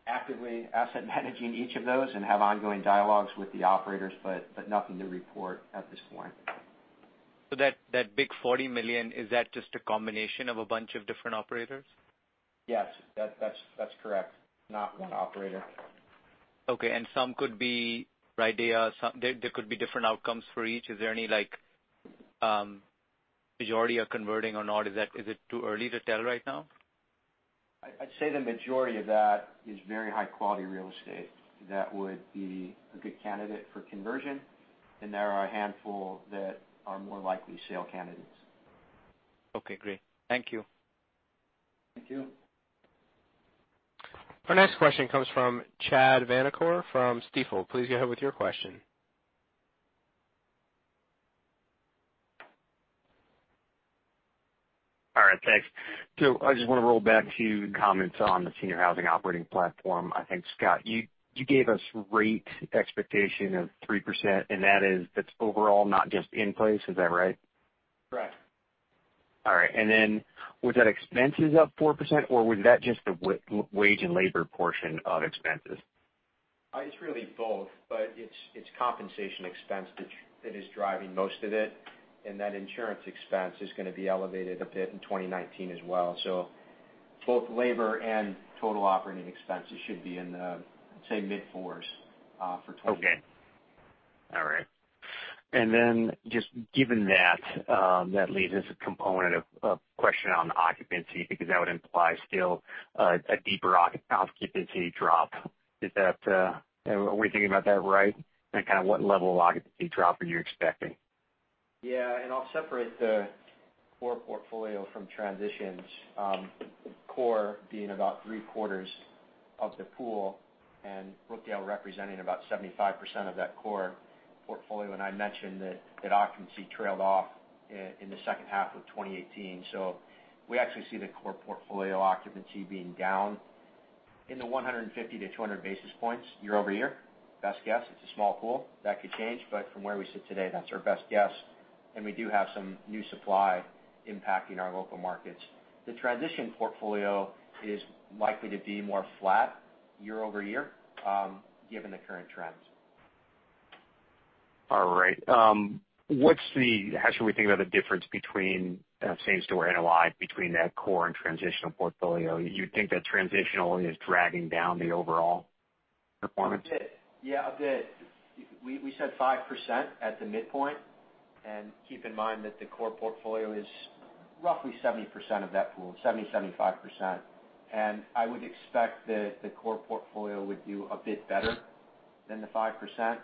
actively asset managing each of those and have ongoing dialogues with the operators, nothing to report at this point. That big $40 million, is that just a combination of a bunch of different operators? Yes, that's correct. Not one operator. Okay, some could be RIDEA. There could be different outcomes for each. Is there any majority are converting or not? Is it too early to tell right now? I'd say the majority of that is very high-quality real estate that would be a good candidate for conversion, and there are a handful that are more likely sale candidates. Okay, great. Thank you. Thank you. Our next question comes from Chad Vanacore from Stifel. Please go ahead with your question. All right. Thanks. I just want to roll back to comments on the senior housing operating platform. I think, Scott, you gave us rate expectation of 3%, and that's overall, not just in place. Is that right? Correct. All right. Was that expenses up 4%, or was that just the wage and labor portion of expenses? It's really both, but it's compensation expense that is driving most of it. That insurance expense is going to be elevated a bit in 2019 as well. Both labor and total operating expenses should be in the, say, mid-fours for 2019. Okay. All right. Just given that leads to a component of a question on occupancy, because that would imply still a deeper occupancy drop. Are we thinking about that right? Kind of what level of occupancy drop are you expecting? Yeah, I'll separate the core portfolio from transitions. The core being about three-quarters of the pool, and Brookdale representing about 75% of that core portfolio. I mentioned that occupancy trailed off in the second half of 2018. We actually see the core portfolio occupancy being down in the 150 to 200 basis points year-over-year. Best guess. It's a small pool. That could change. From where we sit today, that's our best guess. We do have some new supply impacting our local markets. The transition portfolio is likely to be more flat year-over-year, given the current trends. All right. How should we think about the difference between same-store NOI between that core and transitional portfolio? You think that transitional is dragging down the overall performance? Yeah, a bit. We said 5% at the midpoint, keep in mind that the core portfolio is roughly 70% of that pool, 70%, 75%. I would expect that the core portfolio would do a bit better than the 5%,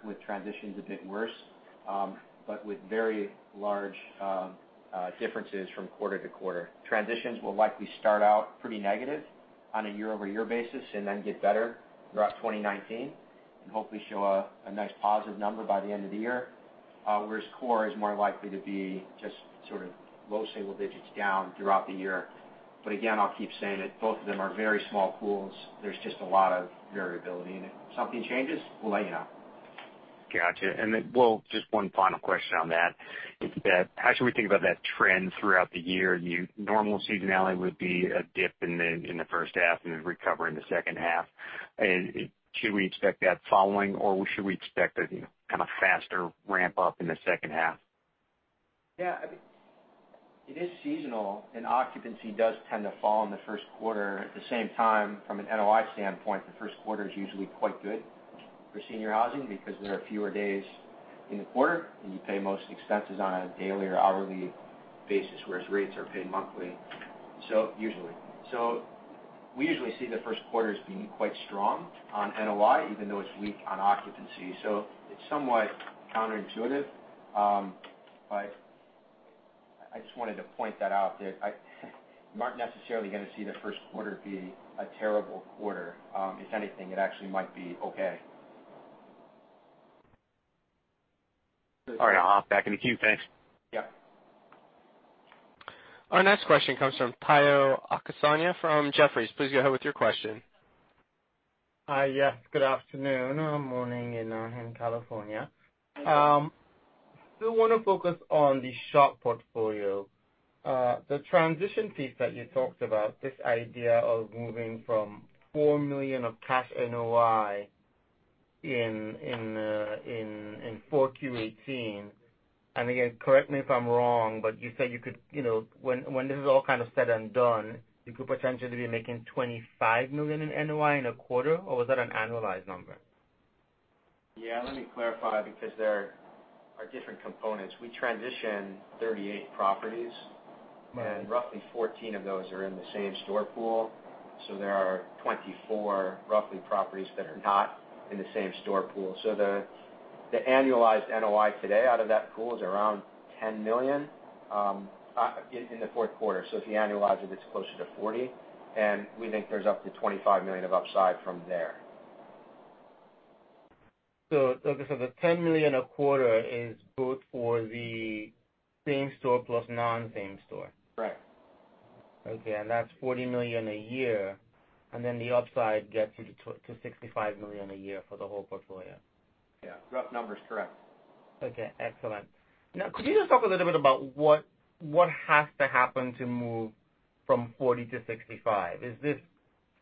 with transitions a bit worse, but with very large differences from quarter-to-quarter. Transitions will likely start out pretty negative on a year-over-year basis get better throughout 2019, hopefully show a nice positive number by the end of the year. Whereas core is more likely to be just sort of low single digits down throughout the year. Again, I'll keep saying that both of them are very small pools. There's just a lot of variability, if something changes, we'll let you know. Got you. Just one final question on that. How should we think about that trend throughout the year? The normal seasonality would be a dip in the first half and then recover in the second half. Should we expect that following, or should we expect a kind of faster ramp-up in the second half? It is seasonal, and occupancy does tend to fall in the first quarter. At the same time, from an NOI standpoint, the first quarter is usually quite good for senior housing because there are fewer days in the quarter, and you pay most expenses on a daily or hourly basis, whereas rates are paid monthly, usually. We usually see the first quarters being quite strong on NOI, even though it's weak on occupancy. It's somewhat counterintuitive, but I just wanted to point that out, that you aren't necessarily going to see the first quarter be a terrible quarter. If anything, it actually might be okay. All right. I'll hop back in the queue, thanks. Yeah. Our next question comes from Tayo Okusanya from Jefferies. Please go ahead with your question. Hi. Yes, good afternoon, or morning in Denver, California. Still want to focus on the SHOP portfolio. The transition piece that you talked about, this idea of moving from $4 million of cash NOI in Q4 2018, and again, correct me if I'm wrong, but you said when this is all kind of said and done, you could potentially be making $25 million in NOI in a quarter, or was that an annualized number? Yeah, let me clarify, because there are different components. We transitioned 38 properties. Right Roughly 14 of those are in the same store pool. There are 24, roughly, properties that are not in the same store pool. The annualized NOI today out of that pool is around $10 million in the fourth quarter. If you annualize it's closer to $40 million, and we think there's up to $25 million of upside from there. The $10 million a quarter is both for the same-store plus non-same-store. Correct. Okay. That is $40 million a year, then the upside gets you to $65 million a year for the whole portfolio. Yeah. Rough numbers, correct. Okay, excellent. Could you just talk a little bit about what has to happen to move from $40 million to $65 million? Is this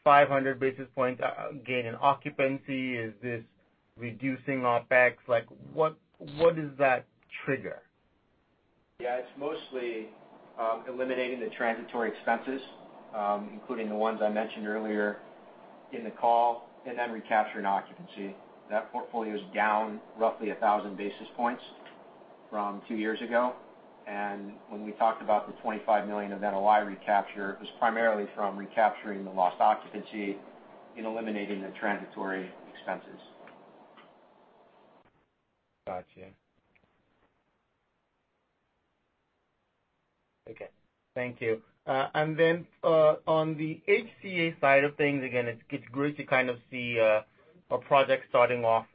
500 basis points gain in occupancy? Is this reducing OpEx? What is that trigger? Yeah, it is mostly eliminating the transitory expenses, including the ones I mentioned earlier in the call, then recapturing occupancy. That portfolio is down roughly 1,000 basis points from two years ago. When we talked about the $25 million of NOI recapture, it was primarily from recapturing the lost occupancy and eliminating the transitory expenses. Got you. Okay, thank you. On the HCA side of things, again, it's great to kind of see a project starting off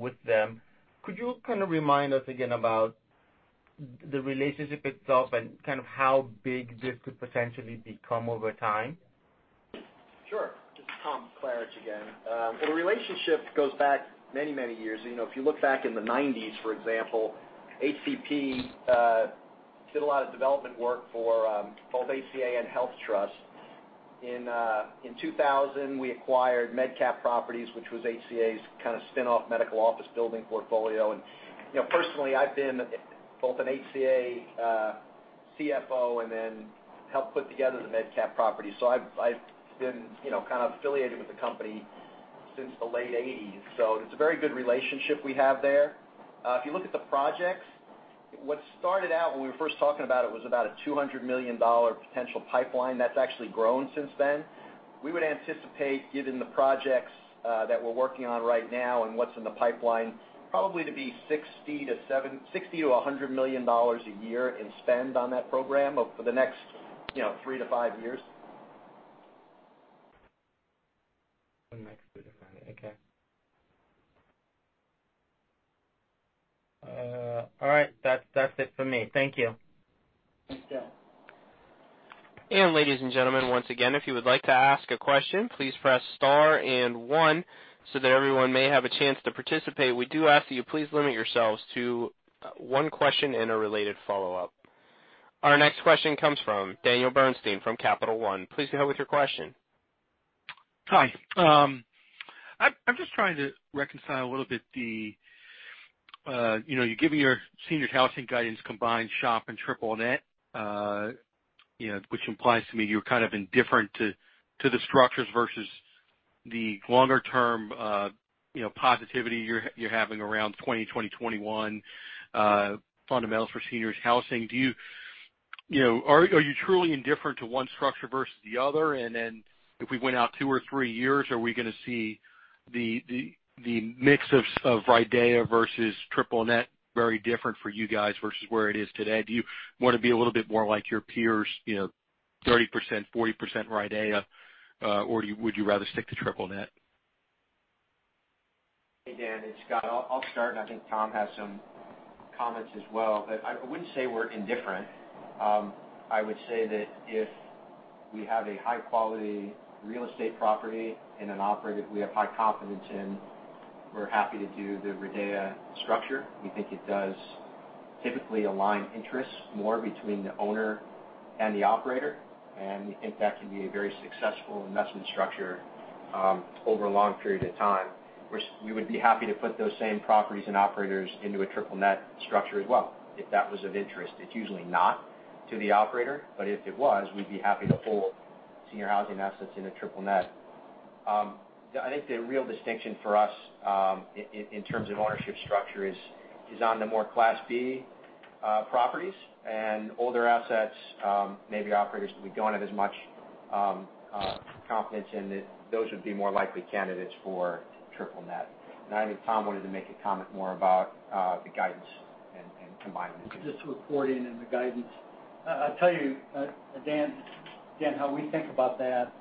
with them. Could you kind of remind us again about the relationship itself and kind of how big this could potentially become over time? Sure. This is Tom Klaritch again. The relationship goes back many, many years. If you look back in the '90s, for example, HCP did a lot of development work for both HCA and HealthTrust. In 2000, we acquired MedCap Properties, which was HCA's kind of spin-off medical office building portfolio. Personally, I've been both an HCA CFO and then helped put together the MedCap property. I've been kind of affiliated with the company since the late '80s. It's a very good relationship we have there. If you look at the projects, what started out when we were first talking about it was about a $200 million potential pipeline. That's actually grown since then. We would anticipate, given the projects that we're working on right now and what's in the pipeline, probably to be $60 million-$100 million a year in spend on that program over the next three to five years. The next three to five, okay. All right, that's it for me. Thank you. Thanks, Tayo. Ladies and gentlemen, once again, if you would like to ask a question, please press star and one so that everyone may have a chance to participate. We do ask that you please limit yourselves to one question and a related follow-up. Our next question comes from Daniel Bernstein from Capital One. Please go ahead with your question. Hi. I'm just trying to reconcile a little bit. You gave me your senior housing guidance combined SHOP and triple net, which implies to me you're kind of indifferent to the structures versus the longer-term positivity you're having around 2020, 2021 fundamentals for seniors housing. Are you truly indifferent to one structure versus the other? If we went out two or three years, are we going to see the mix of RIDEA versus triple net very different for you guys versus where it is today? Do you want to be a little bit more like your peers, 30%-40% RIDEA, or would you rather stick to triple net? Hey, Dan, it's Scott. I'll start. I think Tom has some comments as well. I wouldn't say we're indifferent. I would say that if we have a high-quality real estate property and an operator we have high confidence in, we're happy to do the RIDEA structure. We think it does typically align interests more between the owner and the operator, and we think that can be a very successful investment structure over a long period of time. We would be happy to put those same properties and operators into a triple net structure as well, if that was of interest. It's usually not to the operator, but if it was, we'd be happy to hold senior housing assets in a triple net. I think the real distinction for us in terms of ownership structure is on the more Class B properties and older assets, maybe operators that we don't have as much confidence in, that those would be more likely candidates for triple net. I think Tom wanted to make a comment more about the guidance and combining the two. Just reporting and the guidance. I'll tell you, Dan, how we think about that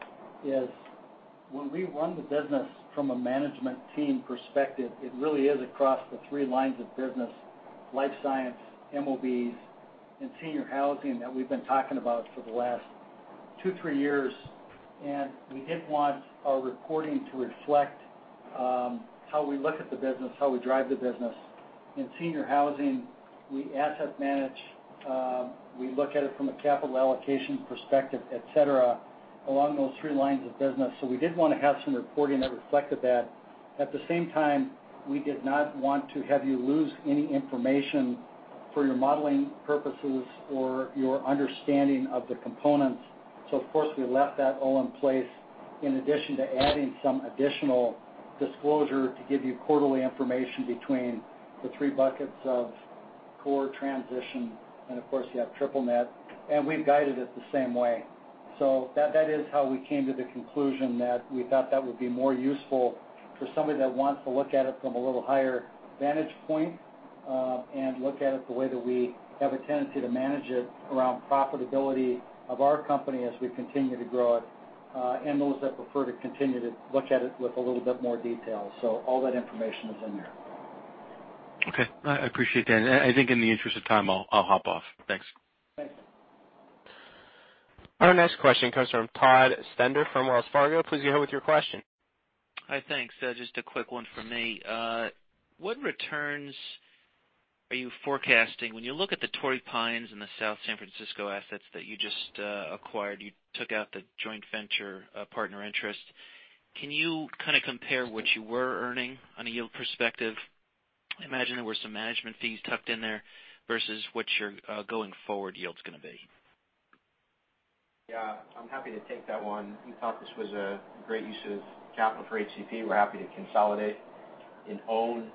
is when we run the business from a management team perspective, it really is across the three lines of business, life science, MOBs, and senior housing that we've been talking about for the last two, three years. We did want our reporting to reflect how we look at the business, how we drive the business. In senior housing, we asset manage, we look at it from a capital allocation perspective, et cetera, along those three lines of business. We did want to have some reporting that reflected that. At the same time, we did not want to have you lose any information for your modeling purposes or your understanding of the components. Of course, we left that all in place in addition to adding some additional disclosure to give you quarterly information between the three buckets of core transition, and of course, you have triple net, and we've guided it the same way. That is how we came to the conclusion that we thought that would be more useful for somebody that wants to look at it from a little higher vantage point, and look at it the way that we have a tendency to manage it around profitability of our company as we continue to grow it, and those that prefer to continue to look at it with a little bit more detail. All that information is in there. Okay. I appreciate that. I think in the interest of time, I'll hop off. Thanks. Thanks. Our next question comes from Todd Stender from Wells Fargo. Please go ahead with your question. Hi. Thanks. Just a quick one from me. What returns are you forecasting? When you look at the Torrey Pines and the South San Francisco assets that you just acquired, you took out the joint venture partner interest. Can you kind of compare what you were earning on a yield perspective? I imagine there were some management fees tucked in there versus what your going-forward yield's going to be. Yeah, I'm happy to take that one. We thought this was a great use of capital for HCP. We're happy to consolidate and own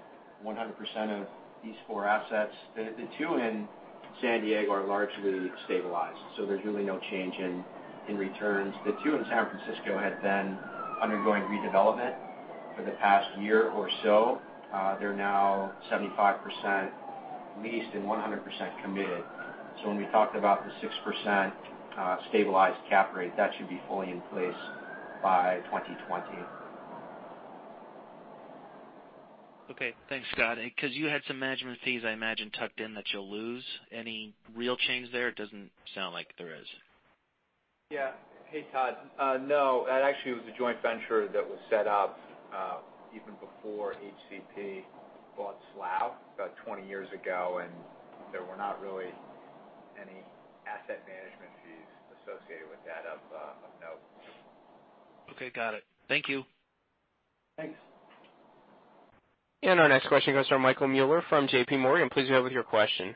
100% of these four assets. The two in San Diego are largely stabilized, so there's really no change in returns. The two in San Francisco had been undergoing redevelopment for the past year or so. They're now 75% leased and 100% committed. When we talked about the 6% stabilized cap rate, that should be fully in place by 2020. Okay. Thanks, Scott. You had some management fees, I imagine, tucked in that you'll lose. Any real change there? It doesn't sound like there is. Yeah. Hey, Todd. No, that actually was a joint venture that was set up even before HCP bought SLAB about 20 years ago, there were not really any asset management fees associated with that of note. Okay, got it. Thank you. Thanks. Our next question goes to Michael Mueller from JPMorgan. Please go ahead with your question.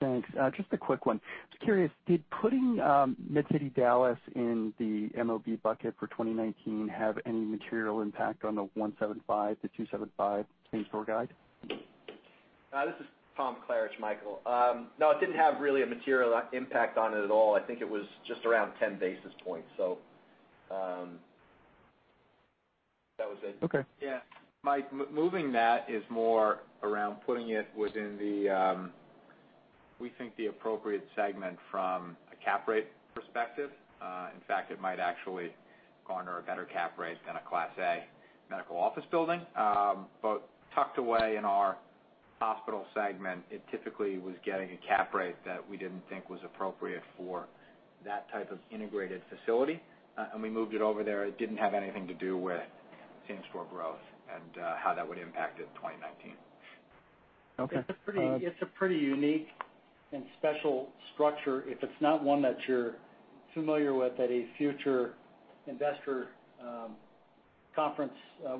Thanks. Just a quick one. Just curious, did putting Medical City Dallas in the MOB bucket for 2019 have any material impact on the 175 to 275 same store guide? This is Tom Klaritch, Michael. It didn't have really a material impact on it at all. I think it was just around 10 basis points. That was it. Okay. Mike, moving that is more around putting it within the, we think, the appropriate segment from a cap rate perspective. In fact, it might actually garner a better cap rate than a Class A medical office building. Tucked away in our hospital segment, it typically was getting a cap rate that we didn't think was appropriate for that type of integrated facility. We moved it over there. It didn't have anything to do with same-store growth and how that would impact it in 2019. Okay. It's a pretty unique and special structure. If it's not one that you're familiar with at a future investor conference,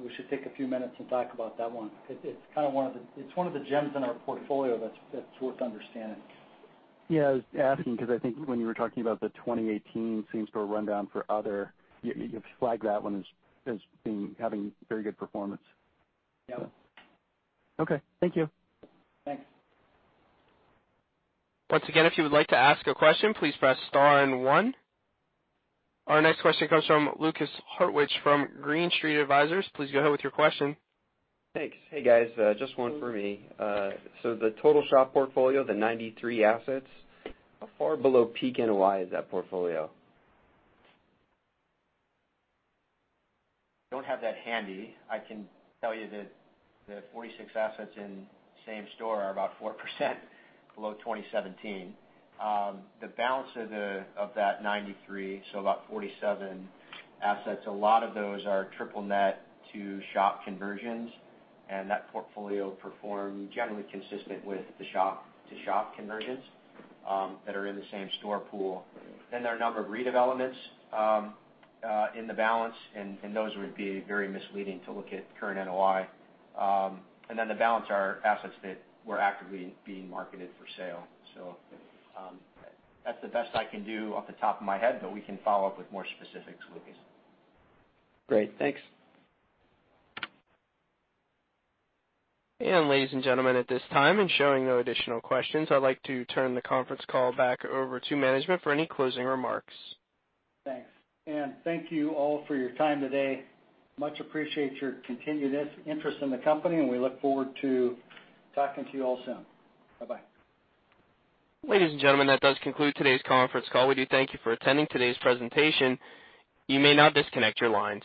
we should take a few minutes and talk about that one. It's one of the gems in our portfolio that's worth understanding. I was asking because I think when you were talking about the 2018 same-store rundown for other, you flagged that one as having very good performance. Yeah. Okay. Thank you. Thanks. Once again, if you would like to ask a question, please press star and one. Our next question comes from Lukas Hartwich from Green Street Advisors. Please go ahead with your question. Thanks. Hey, guys, just one for me. The total SHOP portfolio, the 93 assets, how far below peak NOI is that portfolio? Don't have that handy. I can tell you that the 46 assets in same store are about 4% below 2017. The balance of that 93, about 47 assets, a lot of those are triple net to SHOP conversions, and that portfolio performed generally consistent with the SHOP-to-SHOP conversions that are in the same store pool. There are a number of redevelopments in the balance, and those would be very misleading to look at current NOI. The balance are assets that were actively being marketed for sale. That's the best I can do off the top of my head, but we can follow up with more specifics, Lukas. Great. Thanks. Ladies and gentlemen, at this time and showing no additional questions, I'd like to turn the conference call back over to management for any closing remarks. Thanks. Thank you all for your time today. Much appreciate your continued interest in the company, and we look forward to talking to you all soon. Bye-bye. Ladies and gentlemen, that does conclude today's conference call. We do thank you for attending today's presentation. You may now disconnect your lines.